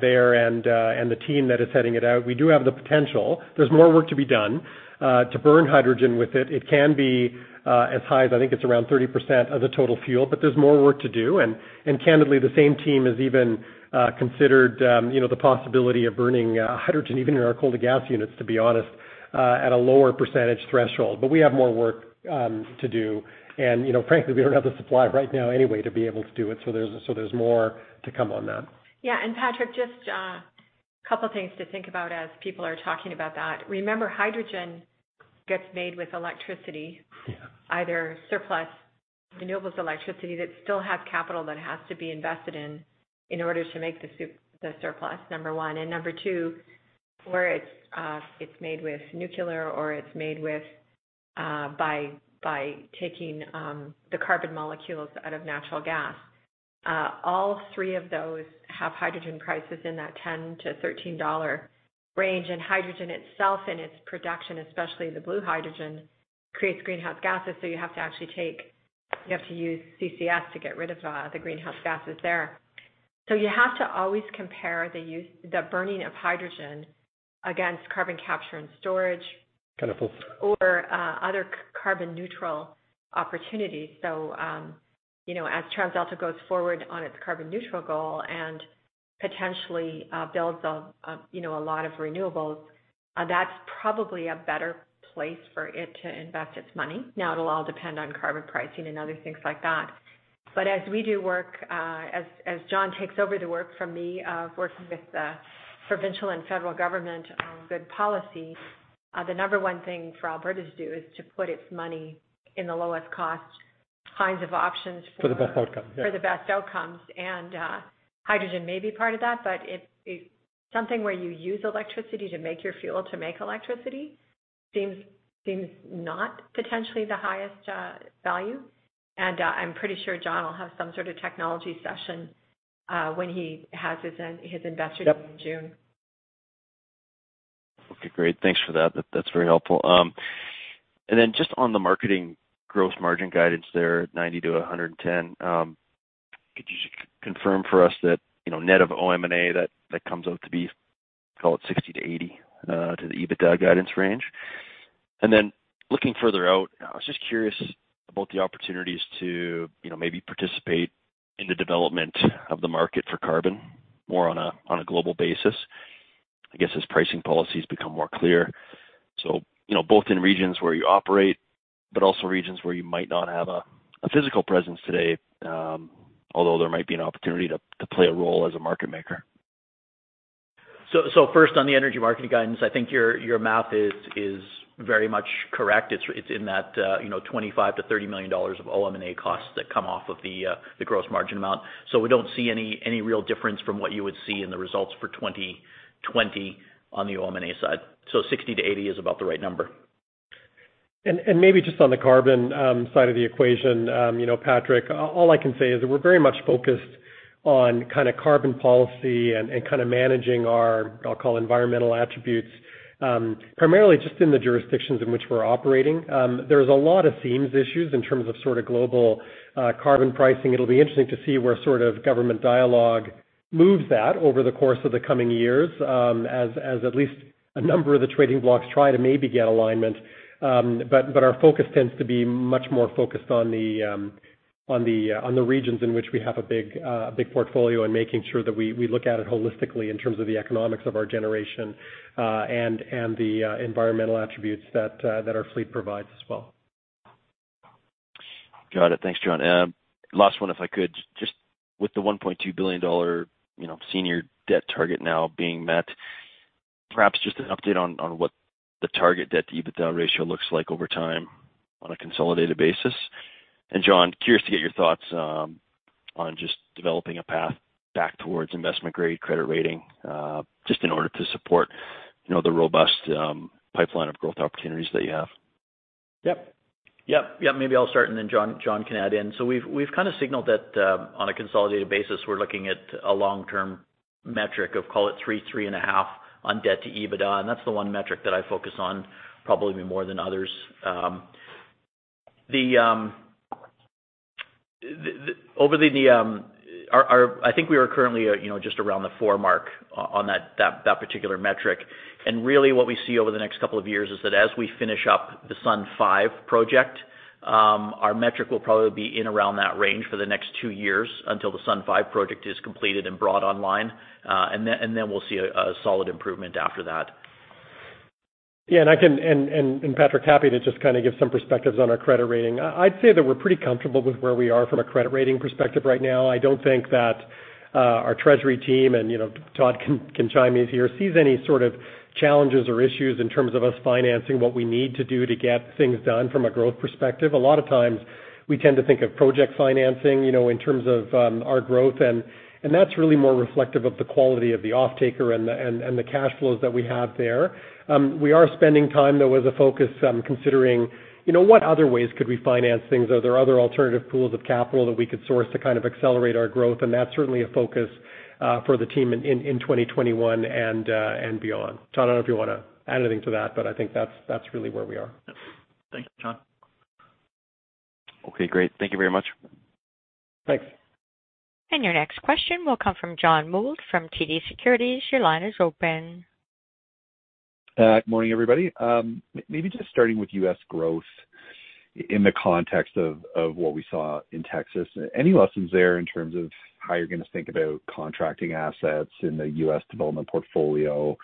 there and the team that is heading it out. We do have the potential. There's more work to be done. To burn hydrogen with it can be as high as, I think it's around 30% of the total fuel, but there's more work to do. Candidly, the same team has even considered the possibility of burning hydrogen, even in our colder gas units, to be honest, at a lower percentage threshold. We have more work to do, and frankly, we don't have the supply right now anyway to be able to do it. There's more to come on that. Yeah. Patrick, just a couple of things to think about as people are talking about that. Remember, hydrogen gets made with electricity. Yeah. Surplus renewables electricity that still has capital that has to be invested in order to make the surplus, number one. Number two, where it's made with nuclear or it's made by taking the carbon molecules out of natural gas. All three of those have hydrogen prices in that 10-13 dollar range, and hydrogen itself in its production, especially the blue hydrogen, creates greenhouse gases, so you have to use CCS to get rid of the greenhouse gases there. You have to always compare the burning of hydrogen against carbon capture and storage. Other carbon neutral opportunities. As TransAlta goes forward on its carbon neutral goal and potentially builds a lot of renewables, that's probably a better place for it to invest its money. Now, it'll all depend on carbon pricing and other things like that. As John takes over the work from me of working with the provincial and federal government on good policy, the number one thing for Alberta to do is to put its money in the lowest cost kinds of options for- For the best outcome, yeah For the best outcomes. hydrogen may be part of that, but something where you use electricity to make your fuel to make electricity seems not potentially the highest value. I'm pretty sure John will have some sort of technology session when he has his investor day in June. Okay, great. Thanks for that. That's very helpful. just on the marketing gross margin guidance there, 90-110. Could you confirm for us that net of OM&A, that comes out to be, call it, 60-80 to the EBITDA guidance range? looking further out, I was just curious about the opportunities to maybe participate in the development of the market for carbon more on a global basis, I guess as pricing policies become more clear. both in regions where you operate, but also regions where you might not have a physical presence today, although there might be an opportunity to play a role as a market maker. First, on the energy marketing guidance, I think your math is very much correct. It's in that 25-30 million dollars of OM&A costs that come off of the gross margin amount. We don't see any real difference from what you would see in the results for 2020 on the OM&A side. 60-80 is about the right number. maybe just on the carbon side of the equation, Patrick, all I can say is that we're very much focused on carbon policy and managing our, I'll call, environmental attributes, primarily just in the jurisdictions in which we're operating. There's a lot of themes issues in terms of global carbon pricing. It'll be interesting to see where government dialogue moves that over the course of the coming years, as at least a number of the trading blocks try to maybe get alignment. Our focus tends to be much more focused on the regions in which we have a big portfolio and making sure that we look at it holistically in terms of the economics of our generation, and the environmental attributes that our fleet provides as well. Got it. Thanks, John. Last one, if I could. Just with the 1.2 billion dollar senior debt target now being met, perhaps just an update on what the target debt-to-EBITDA ratio looks like over time on a consolidated basis. John, curious to get your thoughts on just developing a path back towards investment-grade credit rating, just in order to support the robust pipeline of growth opportunities that you have. Yep. Maybe I'll start and then John can add in. We've kind of signaled that on a consolidated basis, we're looking at a long-term metric of, call it three and a half on debt to EBITDA, and that's the one metric that I focus on probably more than others. I think we are currently just around the four mark on that particular metric. Really what we see over the next couple of years is that as we finish up the Sundance 5 project, our metric will probably be in around that range for the next two years until the Sundance 5 project is completed and brought online. We'll see a solid improvement after that. Yeah, Patrick, happy to just give some perspectives on our credit rating. I'd say that we're pretty comfortable with where we are from a credit rating perspective right now. I don't think that our treasury team, and Todd can chime in here, sees any sort of challenges or issues in terms of us financing what we need to do to get things done from a growth perspective. A lot of times we tend to think of project financing in terms of our growth, and that's really more reflective of the quality of the offtaker and the cash flows that we have there. We are spending time, though, with a focus on considering what other ways could we finance things? Are there other alternative pools of capital that we could source to kind of accelerate our growth? That's certainly a focus for the team in 2021 and beyond. Todd, I don't know if you want to add anything to that, but I think that's really where we are. Yep. Thank you, John. Okay, great. Thank you very much. Thanks. Your next question will come from John Mould from TD Securities. Your line is open. Good morning, everybody. Maybe just starting with U.S. growth in the context of what we saw in Texas. Any lessons there in terms of how you're going to think about contracting assets in the U.S. development portfolio,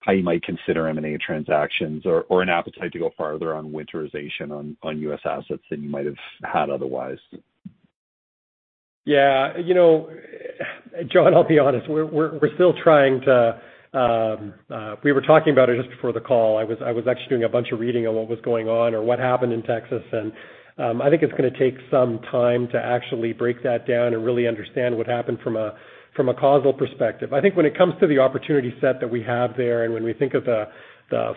how you might consider M&A transactions or an appetite to go farther on winterization on U.S. assets than you might have had otherwise? Yeah. John, I'll be honest, we were talking about it just before the call. I was actually doing a bunch of reading on what was going on or what happened in Texas, and I think it's going to take some time to actually break that down and really understand what happened from a causal perspective. I think when it comes to the opportunity set that we have there, and when we think of the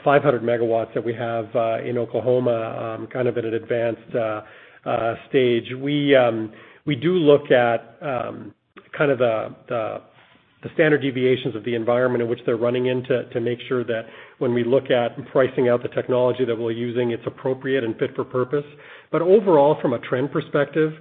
500 MW that we have in Oklahoma, kind of at an advanced stage, we do look at the standard deviations of the environment in which they're running in to make sure that when we look at pricing out the technology that we're using, it's appropriate and fit for purpose. Overall, from a trend perspective,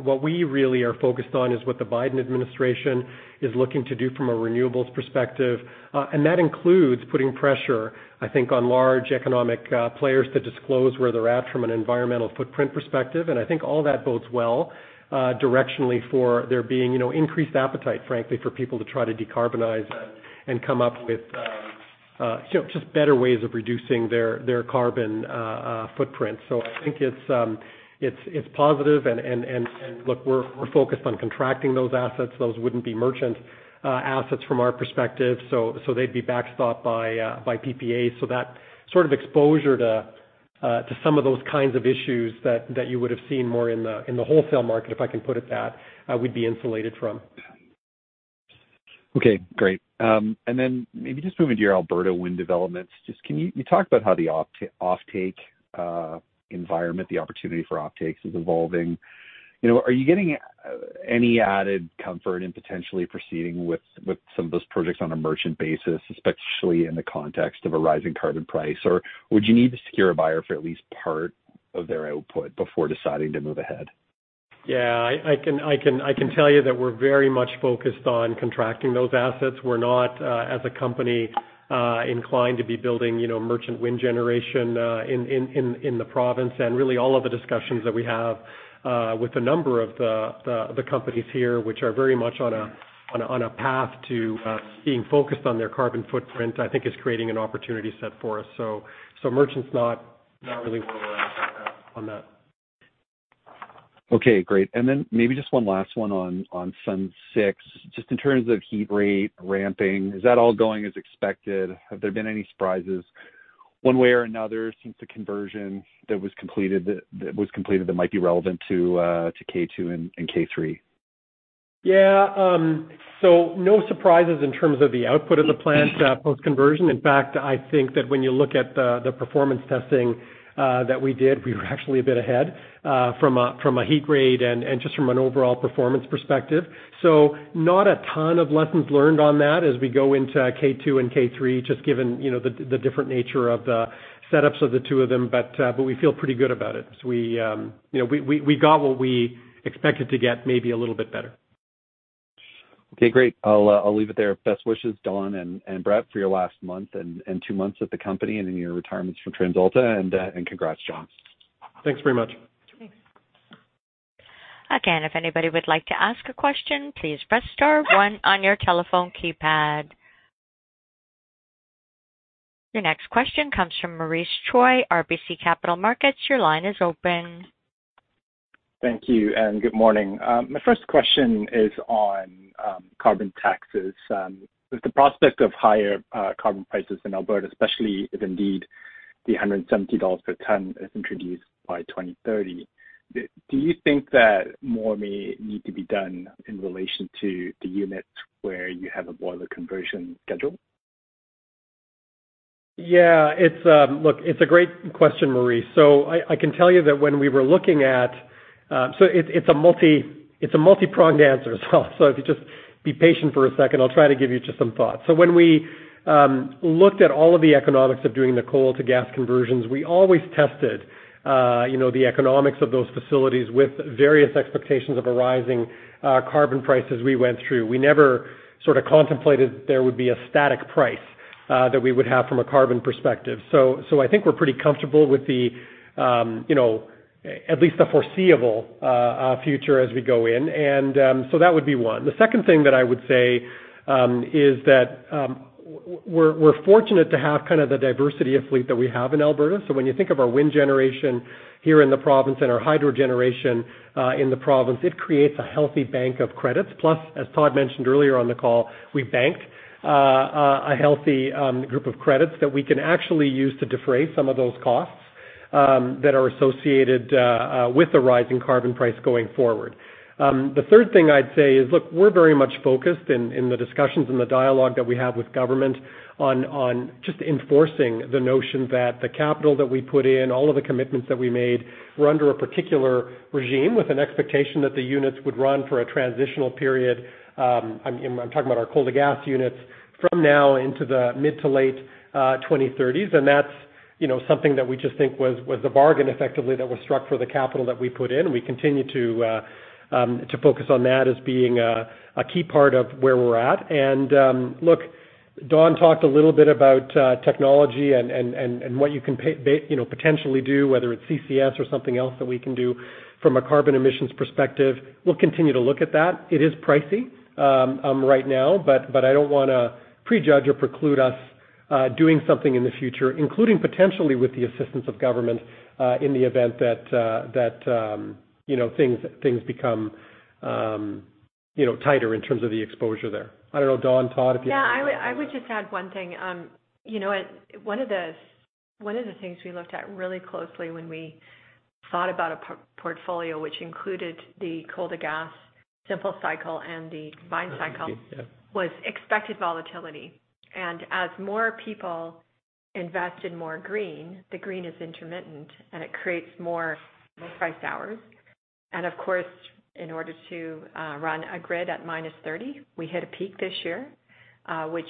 what we really are focused on is what the Biden administration is looking to do from a renewable's perspective. That includes putting pressure, I think, on large economic players to disclose where they're at from an environmental footprint perspective. I think all that bodes well directionally for there being increased appetite, frankly, for people to try to decarbonize and come up with just better ways of reducing their carbon footprint. I think it's positive, and look, we're focused on contracting those assets. Those wouldn't be merchant assets from our perspective, so they'd be backstopped by PPAs. that sort of exposure to some of those kinds of issues that you would've seen more in the wholesale market, if I can put it that, we'd be insulated from. Okay, great. Then maybe just moving to your Alberta wind developments. Can you talk about how the offtake environment, the opportunity for offtakes is evolving? Are you getting any added comfort in potentially proceeding with some of those projects on a merchant basis, especially in the context of a rising carbon price? Would you need to secure a buyer for at least part of their output before deciding to move ahead? Yeah, I can tell you that we're very much focused on contracting those assets. We're not, as a company, inclined to be building merchant wind generation in the province. Really all of the discussions that we have with a number of the companies here, which are very much on a path to being focused on their carbon footprint, I think is creating an opportunity set for us. Merchants, not really where we're at on that. Okay, great. Maybe just one last one on Sun 6, just in terms of heat rate ramping, is that all going as expected? Have there been any surprises one way or another since the conversion that was completed that might be relevant to K2 and K3? Yeah. No surprises in terms of the output of the plant post-conversion. In fact, I think that when you look at the performance testing that we did, we were actually a bit ahead from a heat rate and just from an overall performance perspective. Not a ton of lessons learned on that as we go into K2 and K3, just given the different nature of the setups of the two of them. We feel pretty good about it. We got what we expected to get, maybe a little bit better. Okay, great. I'll leave it there. Best wishes, Dawn and Brett, for your last month and two months at the company and in your retirements from TransAlta, and congrats, John. Thanks very much. Again, if anybody would like to ask a question, please press star one on your telephone keypad. Your next question comes from Maurice Choy, RBC Capital Markets. Your line is open. Thank you, and good morning. My first question is on carbon taxes. With the prospect of higher carbon prices in Alberta, especially if indeed the 170 dollars per ton is introduced by 2030, do you think that more may need to be done in relation to the units where you have a boiler conversion schedule? Yeah. Look, it's a great question, Maurice. I can tell you that it's a multi-pronged answer as well, so if you just be patient for a second, I'll try to give you just some thoughts. When we looked at all of the economics of doing the coal to gas conversions, we always tested the economics of those facilities with various expectations of a rising carbon price as we went through. We never contemplated there would be a static price that we would have from a carbon perspective. I think we're pretty comfortable with at least the foreseeable future as we go in. That would be one. The second thing that I would say is that we're fortunate to have the diversity of fleet that we have in Alberta. When you think of our wind generation here in the province and our hydro generation in the province, it creates a healthy bank of credits. Plus, as Todd mentioned earlier on the call, we bank a healthy group of credits that we can actually use to defray some of those costs that are associated with the rising carbon price going forward. The third thing I'd say is, look, we're very much focused in the discussions and the dialogue that we have with government on just enforcing the notion that the capital that we put in, all of the commitments that we made, were under a particular regime with an expectation that the units would run for a transitional period, I'm talking about our coal to gas units, from now into the mid to late 2030s. That's something that we just think was the bargain effectively that was struck for the capital that we put in. We continue to focus on that as being a key part of where we're at. look, Dawn talked a little bit about technology and what you can potentially do, whether it's CCS or something else that we can do from a carbon emissions perspective. We'll continue to look at that. It is pricey right now, but I don't want to prejudge or preclude us doing something in the future, including potentially with the assistance of government, in the event that things become tighter in terms of the exposure there. I don't know, Dawn, Todd, if you have- Yeah, I would just add one thing. One of the things we looked at really closely when we thought about a portfolio which included the coal to gas simple cycle and the combined cycle was expected volatility. As more people invest in more green, the green is intermittent, and it creates more priced hours. Of course, in order to run a grid at minus 30, we hit a peak this year, which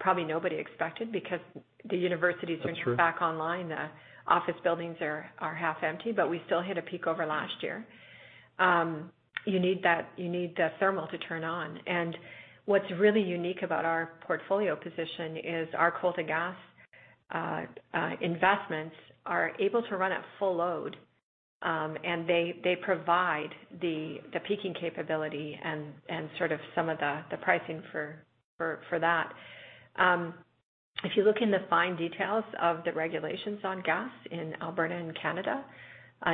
probably nobody expected because the universities are back online. That's true. The office buildings are half empty, but we still hit a peak over last year. You need the thermal to turn on. what's really unique about our portfolio position is our coal-to-gas investments are able to run at full load, and they provide the peaking capability and sort of some of the pricing for that. If you look in the fine details of the regulations on gas in Alberta and Canada,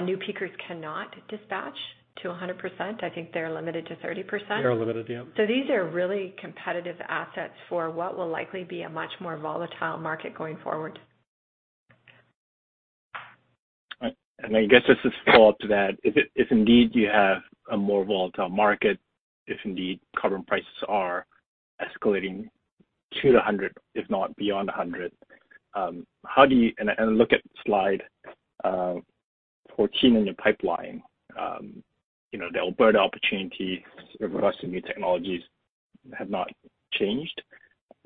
new peakers cannot dispatch to 100%. I think they're limited to 30%. They're limited, yeah. These are really competitive assets for what will likely be a much more volatile market going forward. Right. I guess as a follow-up to that, if indeed you have a more volatile market, if indeed carbon prices are escalating to the 100, if not beyond 100, how do you look at slide 14 in your pipeline. The Alberta opportunity with regards to new technologies have not changed.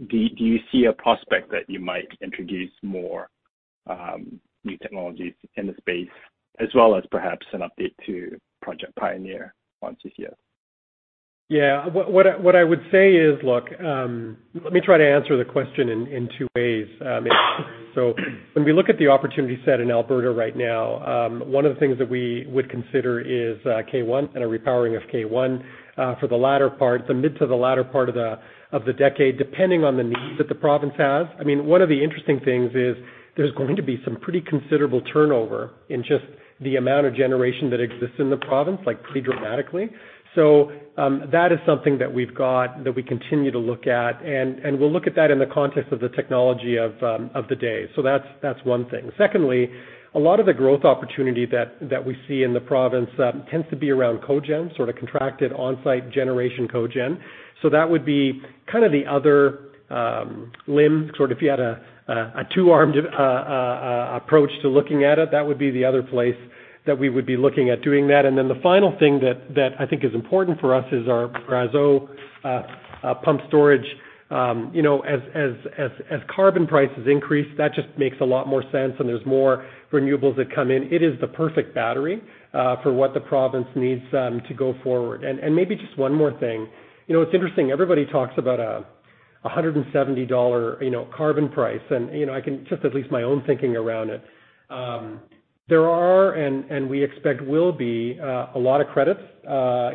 Do you see a prospect that you might introduce more new technologies in the space as well as perhaps an update to Project Pioneer on CCS? Yeah. What I would say is, look, let me try to answer the question in two ways. When we look at the opportunity set in Alberta right now, one of the things that we would consider is K1 and a repowering of K1 for the mid to the latter part of the decade, depending on the needs that the province has. One of the interesting things is there's going to be some pretty considerable turnover in just the amount of generation that exists in the province, like pretty dramatically. That is something that we've got, that we continue to look at, and we'll look at that in the context of the technology of the day. That's one thing. Secondly, a lot of the growth opportunity that we see in the province tends to be around cogen, sort of contracted on-site generation cogen. That would be the other limb. If you had a two-armed approach to looking at it, that would be the other place that we would be looking at doing that. The final thing that I think is important for us is our Brazeau pump storage. As carbon prices increase, that just makes a lot more sense, and there's more renewables that come in. It is the perfect battery for what the province needs to go forward. Maybe just one more thing. It's interesting, everybody talks about a 170 dollar carbon price, and I can just at least my own thinking around it. There are, and we expect will be, a lot of credits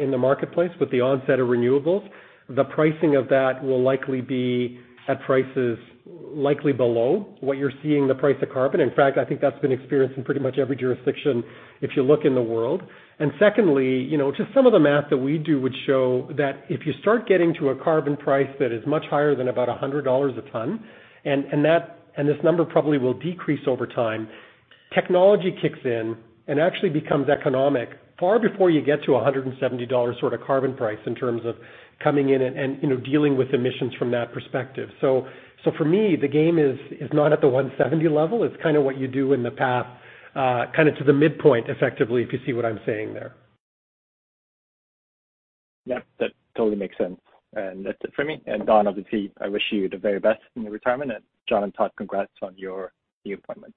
in the marketplace with the onset of renewables. The pricing of that will likely be at prices likely below what you're seeing the price of carbon. In fact, I think that's been experienced in pretty much every jurisdiction if you look in the world. Secondly, just some of the math that we do would show that if you start getting to a carbon price that is much higher than about 100 dollars a ton, and this number probably will decrease over time. Technology kicks in and actually becomes economic far before you get to 170 dollars sort of carbon price in terms of coming in and dealing with emissions from that perspective. For me, the game is not at the 170 level, it's kind of what you do in the path to the midpoint, effectively, if you see what I'm saying there. Yeah, that totally makes sense. That's it for me. Dawn, obviously, I wish you the very best in your retirement. John and Todd, congrats on your new appointment.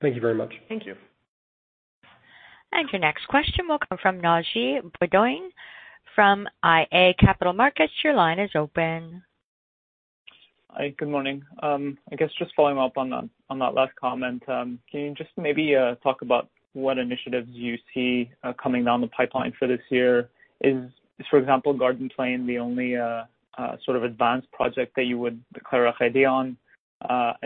Thank you very much. Thank you. Your next question will come from Naji Baydoun from iA Capital Markets. Your line is open. Hi, good morning. I guess just following up on that last comment. Can you just maybe talk about what initiatives you see coming down the pipeline for this year? Is, for example, Garden Plain the only sort of advanced project that you would declare an idea on?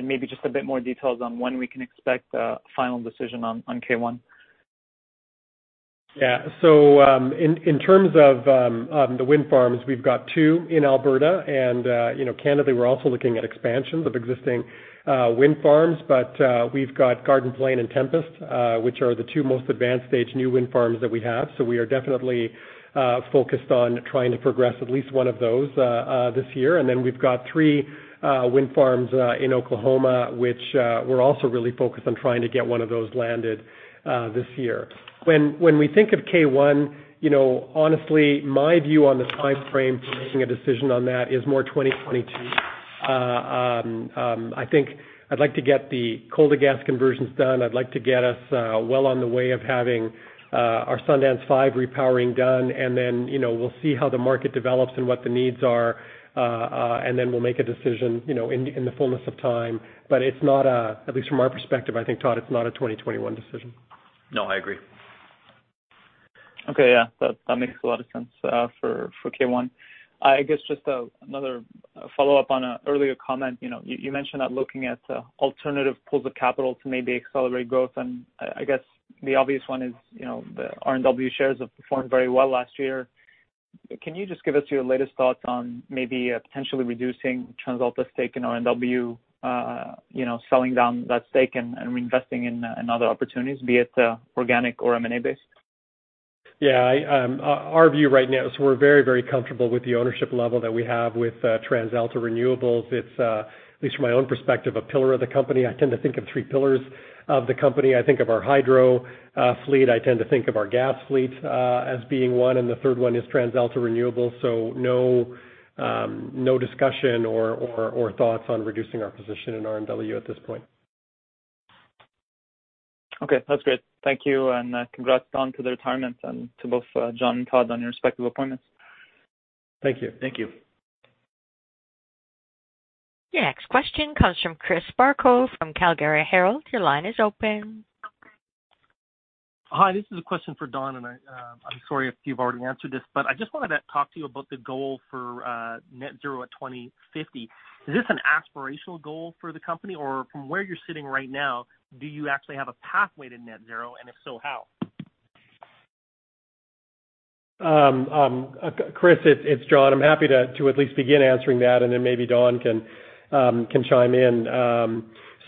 Maybe just a bit more details on when we can expect a final decision on K1. Yeah. In terms of the wind farms, we've got two in Alberta and Canada, we're also looking at expansions of existing wind farms. We've got Garden Plain and Tempest, which are the two most advanced stage new wind farms that we have. We are definitely focused on trying to progress at least one of those this year. We've got three wind farms in Oklahoma, which we're also really focused on trying to get one of those landed this year. When we think of K1, honestly, my view on the timeframe for making a decision on that is more 2022. I think I'd like to get the coal to gas conversions done. I'd like to get us well on the way of having our Sundance five repowering done, and then we'll see how the market develops and what the needs are. We'll make a decision in the fullness of time. It's not, at least from our perspective, I think, Todd, it's not a 2021 decision. No, I agree. Okay. Yeah, that makes a lot of sense for K1. I guess just another follow-up on an earlier comment. You mentioned that looking at alternative pools of capital to maybe accelerate growth, and I guess the obvious one is the RNW shares have performed very well last year. Can you just give us your latest thoughts on maybe potentially reducing TransAlta's stake in RNW, selling down that stake and reinvesting in other opportunities, be it organic or M&A-based? Yeah. Our view right now is we're very comfortable with the ownership level that we have with TransAlta Renewables. It's, at least from my own perspective, a pillar of the company. I tend to think of three pillars of the company. I think of our hydro fleet, I tend to think of our gas fleet as being one, and the third one is TransAlta Renewables. No discussion or thoughts on reducing our position in RNW at this point. Okay. That's great. Thank you, and congrats, Dawn, to the retirement and to both John and Todd on your respective appointments. Thank you. Thank you. The next question comes from Chris Varcoe from Calgary Herald. Your line is open. Hi, this is a question for Dawn, and I'm sorry if you've already answered this, but I just wanted to talk to you about the goal for net zero at 2050. Is this an aspirational goal for the company, or from where you're sitting right now, do you actually have a pathway to net zero, and if so, how? Chris, it's John. I'm happy to at least begin answering that and then maybe Dawn can chime in.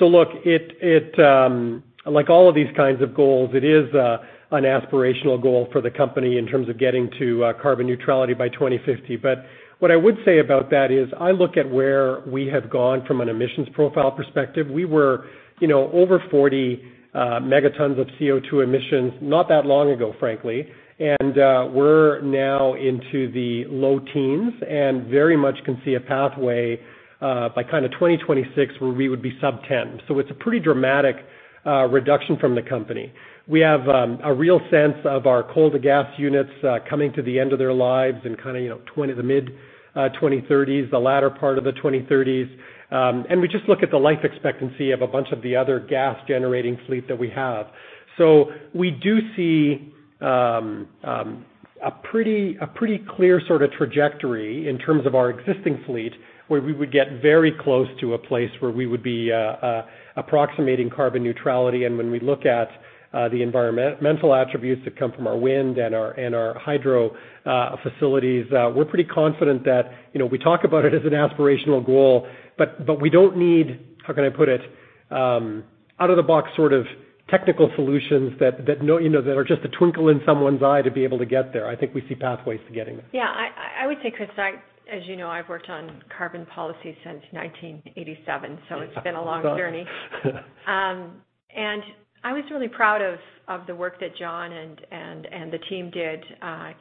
Look, like all of these kinds of goals, it is an aspirational goal for the company in terms of getting to carbon neutrality by 2050. What I would say about that is I look at where we have gone from an emissions profile perspective. We were over 40 megatons of CO2 emissions not that long ago, frankly, and we're now into the low teens and very much can see a pathway, by 2026, where we would be sub-10. It's a pretty dramatic reduction from the company. We have, a real sense of our coal-to-gas units coming to the end of their lives in the mid-2030s, the latter part of the 2030s. We just look at the life expectancy of a bunch of the other gas-generating fleet that we have. We do see a pretty clear sort of trajectory in terms of our existing fleet, where we would get very close to a place where we would be approximating carbon neutrality. When we look at the environmental attributes that come from our wind and our hydro facilities, we're pretty confident that, we talk about it as an aspirational goal, but we don't need, how can I put it, out-of-the-box sort of technical solutions that are just a twinkle in someone's eye to be able to get there. I think we see pathways to getting there. Yeah, I would say, Chris, as you know, I've worked on carbon policy since 1987, so it's been a long journey. I was really proud of the work that John and the team did,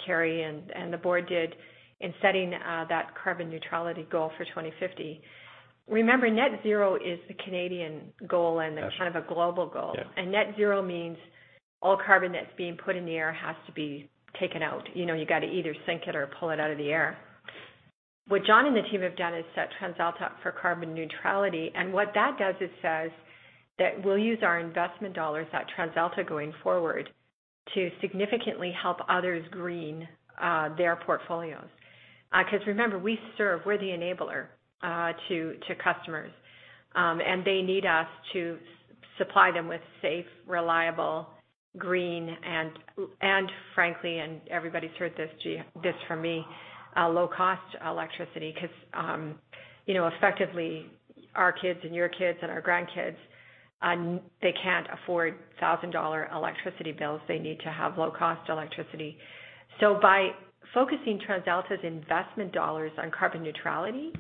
Carrie and the board did in setting that carbon neutrality goal for 2050. Remember, net zero is the Canadian goal and then kind of a global goal. Yeah. net zero means all carbon that's being put in the air has to be taken out. You got to either sink it or pull it out of the air. What John and the team have done is set TransAlta up for carbon neutrality, and what that does, it says that we'll use our investment dollars at TransAlta going forward to significantly help others green their portfolios. Because remember, we serve, we're the enabler to customers. They need us to supply them with safe, reliable green and frankly, and everybody's heard this from me, low-cost electricity because effectively our kids and your kids and our grandkids, they can't afford 1,000 electricity bills. They need to have low-cost electricity. By focusing TransAlta's investment dollars on carbon neutrality,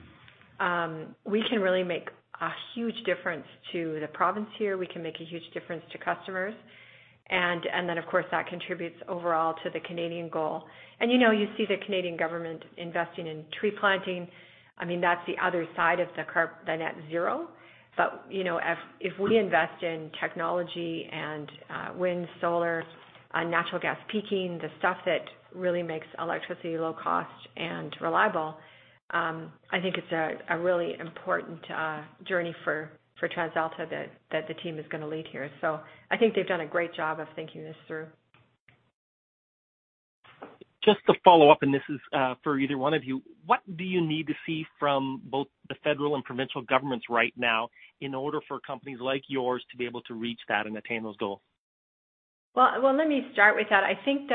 we can really make a huge difference to the province here. We can make a huge difference to customers. Of course, that contributes overall to the Canadian goal. You see the Canadian government investing in tree planting. That's the other side of the net zero. If we invest in technology and wind, solar, natural gas peaking, the stuff that really makes electricity low cost and reliable, I think it's a really important journey for TransAlta that the team is going to lead here. I think they've done a great job of thinking this through. Just to follow up, and this is for either one of you, what do you need to see from both the federal and provincial governments right now in order for companies like yours to be able to reach that and attain those goals? Well, let me start with that. I think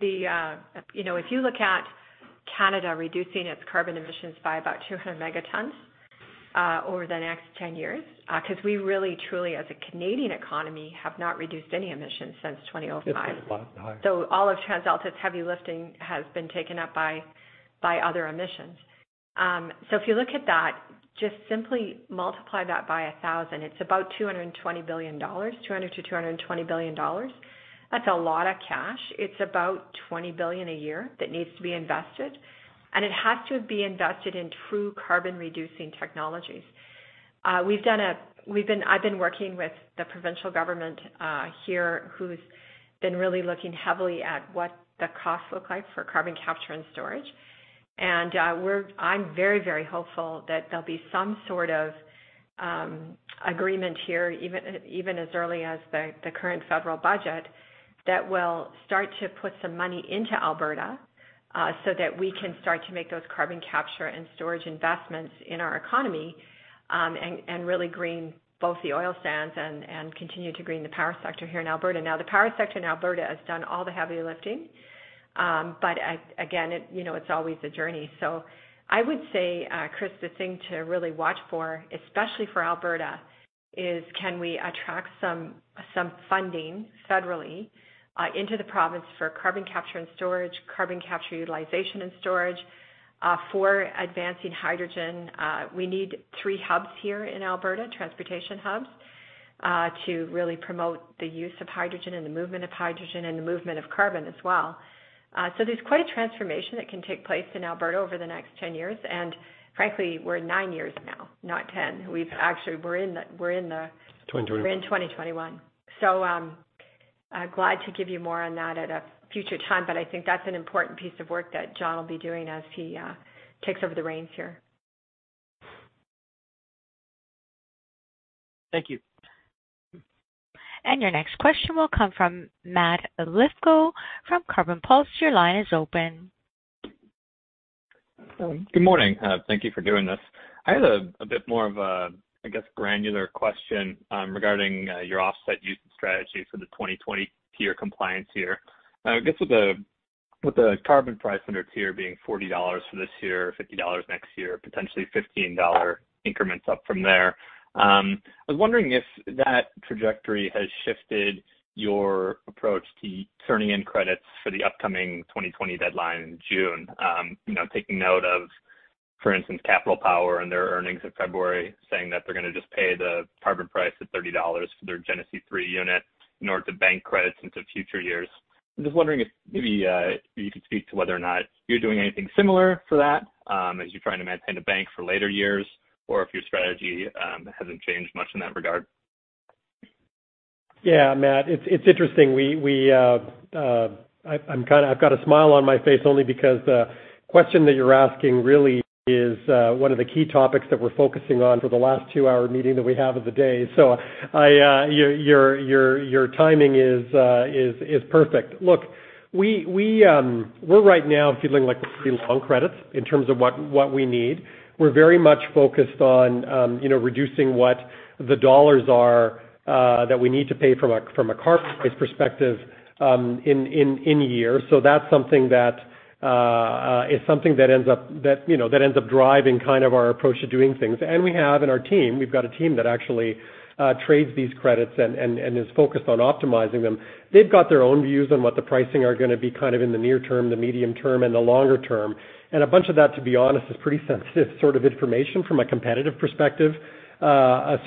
if you look at Canada reducing its carbon emissions by about 200 megatons over the next 10 years, because we really, truly, as a Canadian economy, have not reduced any emissions since 2005. It's been flat to high. All of TransAlta's heavy lifting has been taken up by other emissions. If you look at that, just simply multiply that by 1,000. It's about 220 billion dollars, 200-220 billion dollars. That's a lot of cash. It's about 20 billion a year that needs to be invested, and it has to be invested in true carbon-reducing technologies. I've been working with the provincial government here, who's been really looking heavily at what the costs look like for carbon capture and storage. I'm very hopeful that there'll be some sort of agreement here, even as early as the current federal budget, that will start to put some money into Alberta so that we can start to make those carbon capture and storage investments in our economy, and really green both the oil sands and continue to green the power sector here in Alberta. The power sector in Alberta has done all the heavy lifting. Again, it's always a journey. I would say, Chris, the thing to really watch for, especially for Alberta, is can we attract some funding federally into the province for carbon capture and storage, carbon capture utilization and storage for advancing hydrogen? We need three hubs here in Alberta, transportation hubs, to really promote the use of hydrogen and the movement of hydrogen and the movement of carbon as well. There's quite a transformation that can take place in Alberta over the next 10 years, and frankly, we're nine years now, not 10. We're in 2021. glad to give you more on that at a future time, but I think that's an important piece of work that John will be doing as he takes over the reins here. Thank you. Your next question will come from Matt Lithgow from Carbon Pulse. Your line is open. Good morning. Thank you for doing this. I had a bit more of a, I guess, granular question regarding your offset usage strategy for the 2020 TIER compliance year. I guess with the carbon price under TIER being 40 dollars for this year, 50 dollars next year, potentially 15 dollar increments up from there, I was wondering if that trajectory has shifted your approach to turning in credits for the upcoming 2020 deadline in June. Taking note of, for instance, Capital Power and their earnings in February saying that they're going to just pay the carbon price at 30 dollars for their Genesee 3 unit in order to bank credits into future years. I'm just wondering if maybe you could speak to whether or not you're doing anything similar for that as you're trying to maintain a bank for later years or if your strategy hasn't changed much in that regard. Matt, it's interesting. I've got a smile on my face only because the question that you're asking really is one of the key topics that we're focusing on for the last 2-hour meeting that we have of the day. Your timing is perfect. Look, we're right now feeling like we see long credits in terms of what we need. We're very much focused on reducing what the CAD are that we need to pay from a carbon price perspective in year. That's something that ends up driving our approach to doing things. We have in our team; we've got a team that actually trades these credits and is focused on optimizing them. They've got their own views on what the pricing are going to be in the near term, the medium term, and the longer term. A bunch of that, to be honest, is pretty sensitive sort of information from a competitive perspective. I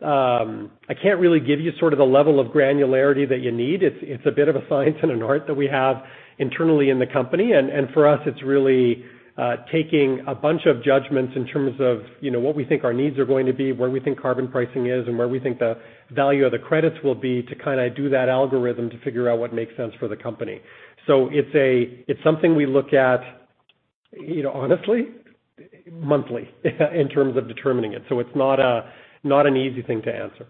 can't really give you sort of the level of granularity that you need. It's a bit of a science and an art that we have internally in the company. For us, it's really taking a bunch of judgments in terms of what we think our needs are going to be, where we think carbon pricing is, and where we think the value of the credits will be to do that algorithm to figure out what makes sense for the company. It's something we look at, honestly, monthly in terms of determining it. It's not an easy thing to answer.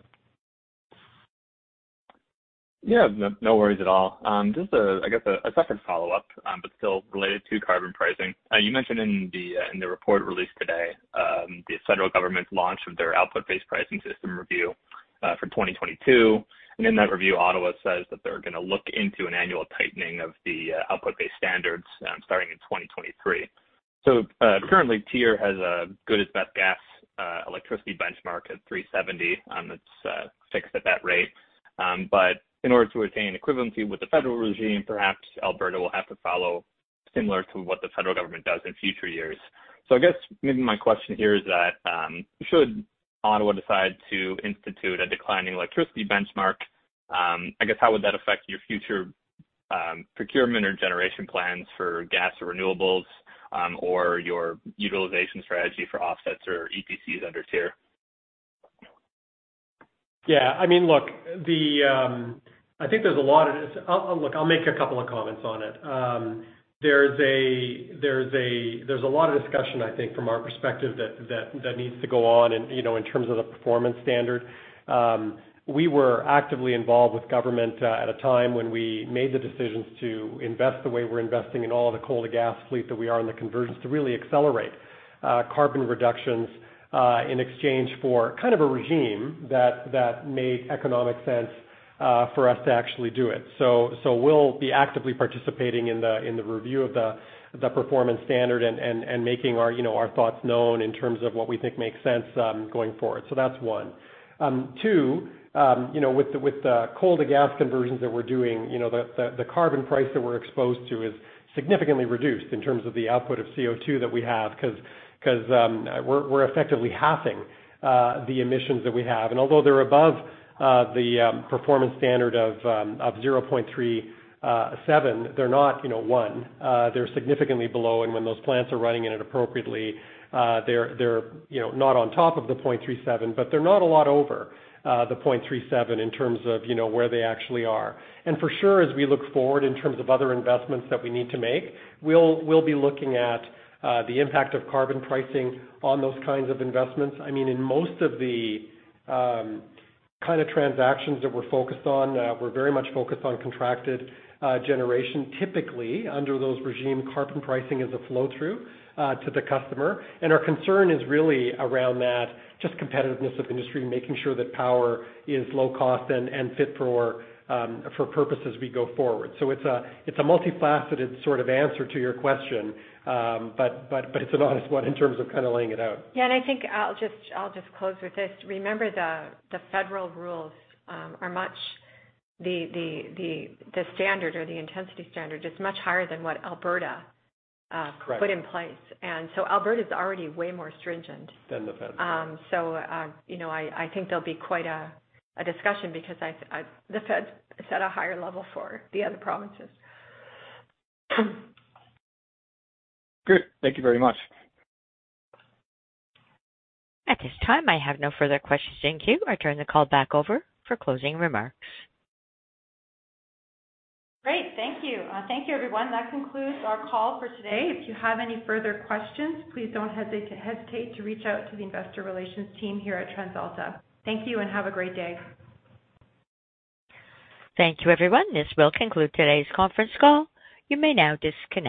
Yeah, no worries at all. Just a, I guess, a second follow-up, but still related to carbon pricing. You mentioned in the report released today the federal government's launch of their Output-Based Pricing System review for 2022. In that review, Ottawa says that they're going to look into an annual tightening of the output-based standards starting in 2023. Currently, TIER has a gas best electricity benchmark at 370. It's fixed at that rate. In order to attain equivalency with the federal regime, perhaps Alberta will have to follow similar to what the federal government does in future years. I guess maybe my question here is that, should Ottawa decide to institute a declining electricity benchmark, I guess how would that affect your future procurement or generation plans for gas or renewables, or your utilization strategy for offsets or EPCs under TIER? Yeah. Look, I'll make a couple of comments on it. There's a lot of discussion, I think, from our perspective that needs to go on in terms of the performance standard. We were actively involved with government at a time when we made the decisions to invest the way we're investing in all the coal-to-gas fleet that we are in the conversions to really accelerate carbon reductions in exchange for kind of a regime that made economic sense for us to actually do it. we'll be actively participating in the review of the performance standard and making our thoughts known in terms of what we think makes sense going forward. that's one. Two, with the coal-to-gas conversions that we're doing, the carbon price that we're exposed to is significantly reduced in terms of the output of CO2 that we have because we're effectively halving the emissions that we have. Although they're above the performance standard of 0.37, they're not one. They're significantly below, and when those plants are running in it appropriately, they're not on top of the 0.37, but they're not a lot over the 0.37 in terms of where they actually are. For sure, as we look forward in terms of other investments that we need to make, we'll be looking at the impact of carbon pricing on those kinds of investments. In most of the kind of transactions that we're focused on, we're very much focused on contracted generation. Typically, under those regimes, carbon pricing is a flow-through to the customer. Our concern is really around that, just competitiveness of industry and making sure that power is low cost and fit for purpose as we go forward. It's a multifaceted sort of answer to your question, but it's an honest one in terms of kind of laying it out. Yeah, I think I'll just close with this. Remember, the federal rules, the standard or the intensity standard is much higher than what Alberta put in place. Alberta is already way more stringent. the federal. I think there'll be quite a discussion because the feds set a higher level for the other provinces. Great. Thank you very much. At this time, I have no further questions in queue. I turn the call back over for closing remarks. Great. Thank you. Thank you, everyone. That concludes our call for today. If you have any further questions, please don't hesitate to reach out to the investor relations team here at TransAlta. Thank you and have a great day. Thank you, everyone. This will conclude today's conference call. You may now disconnect.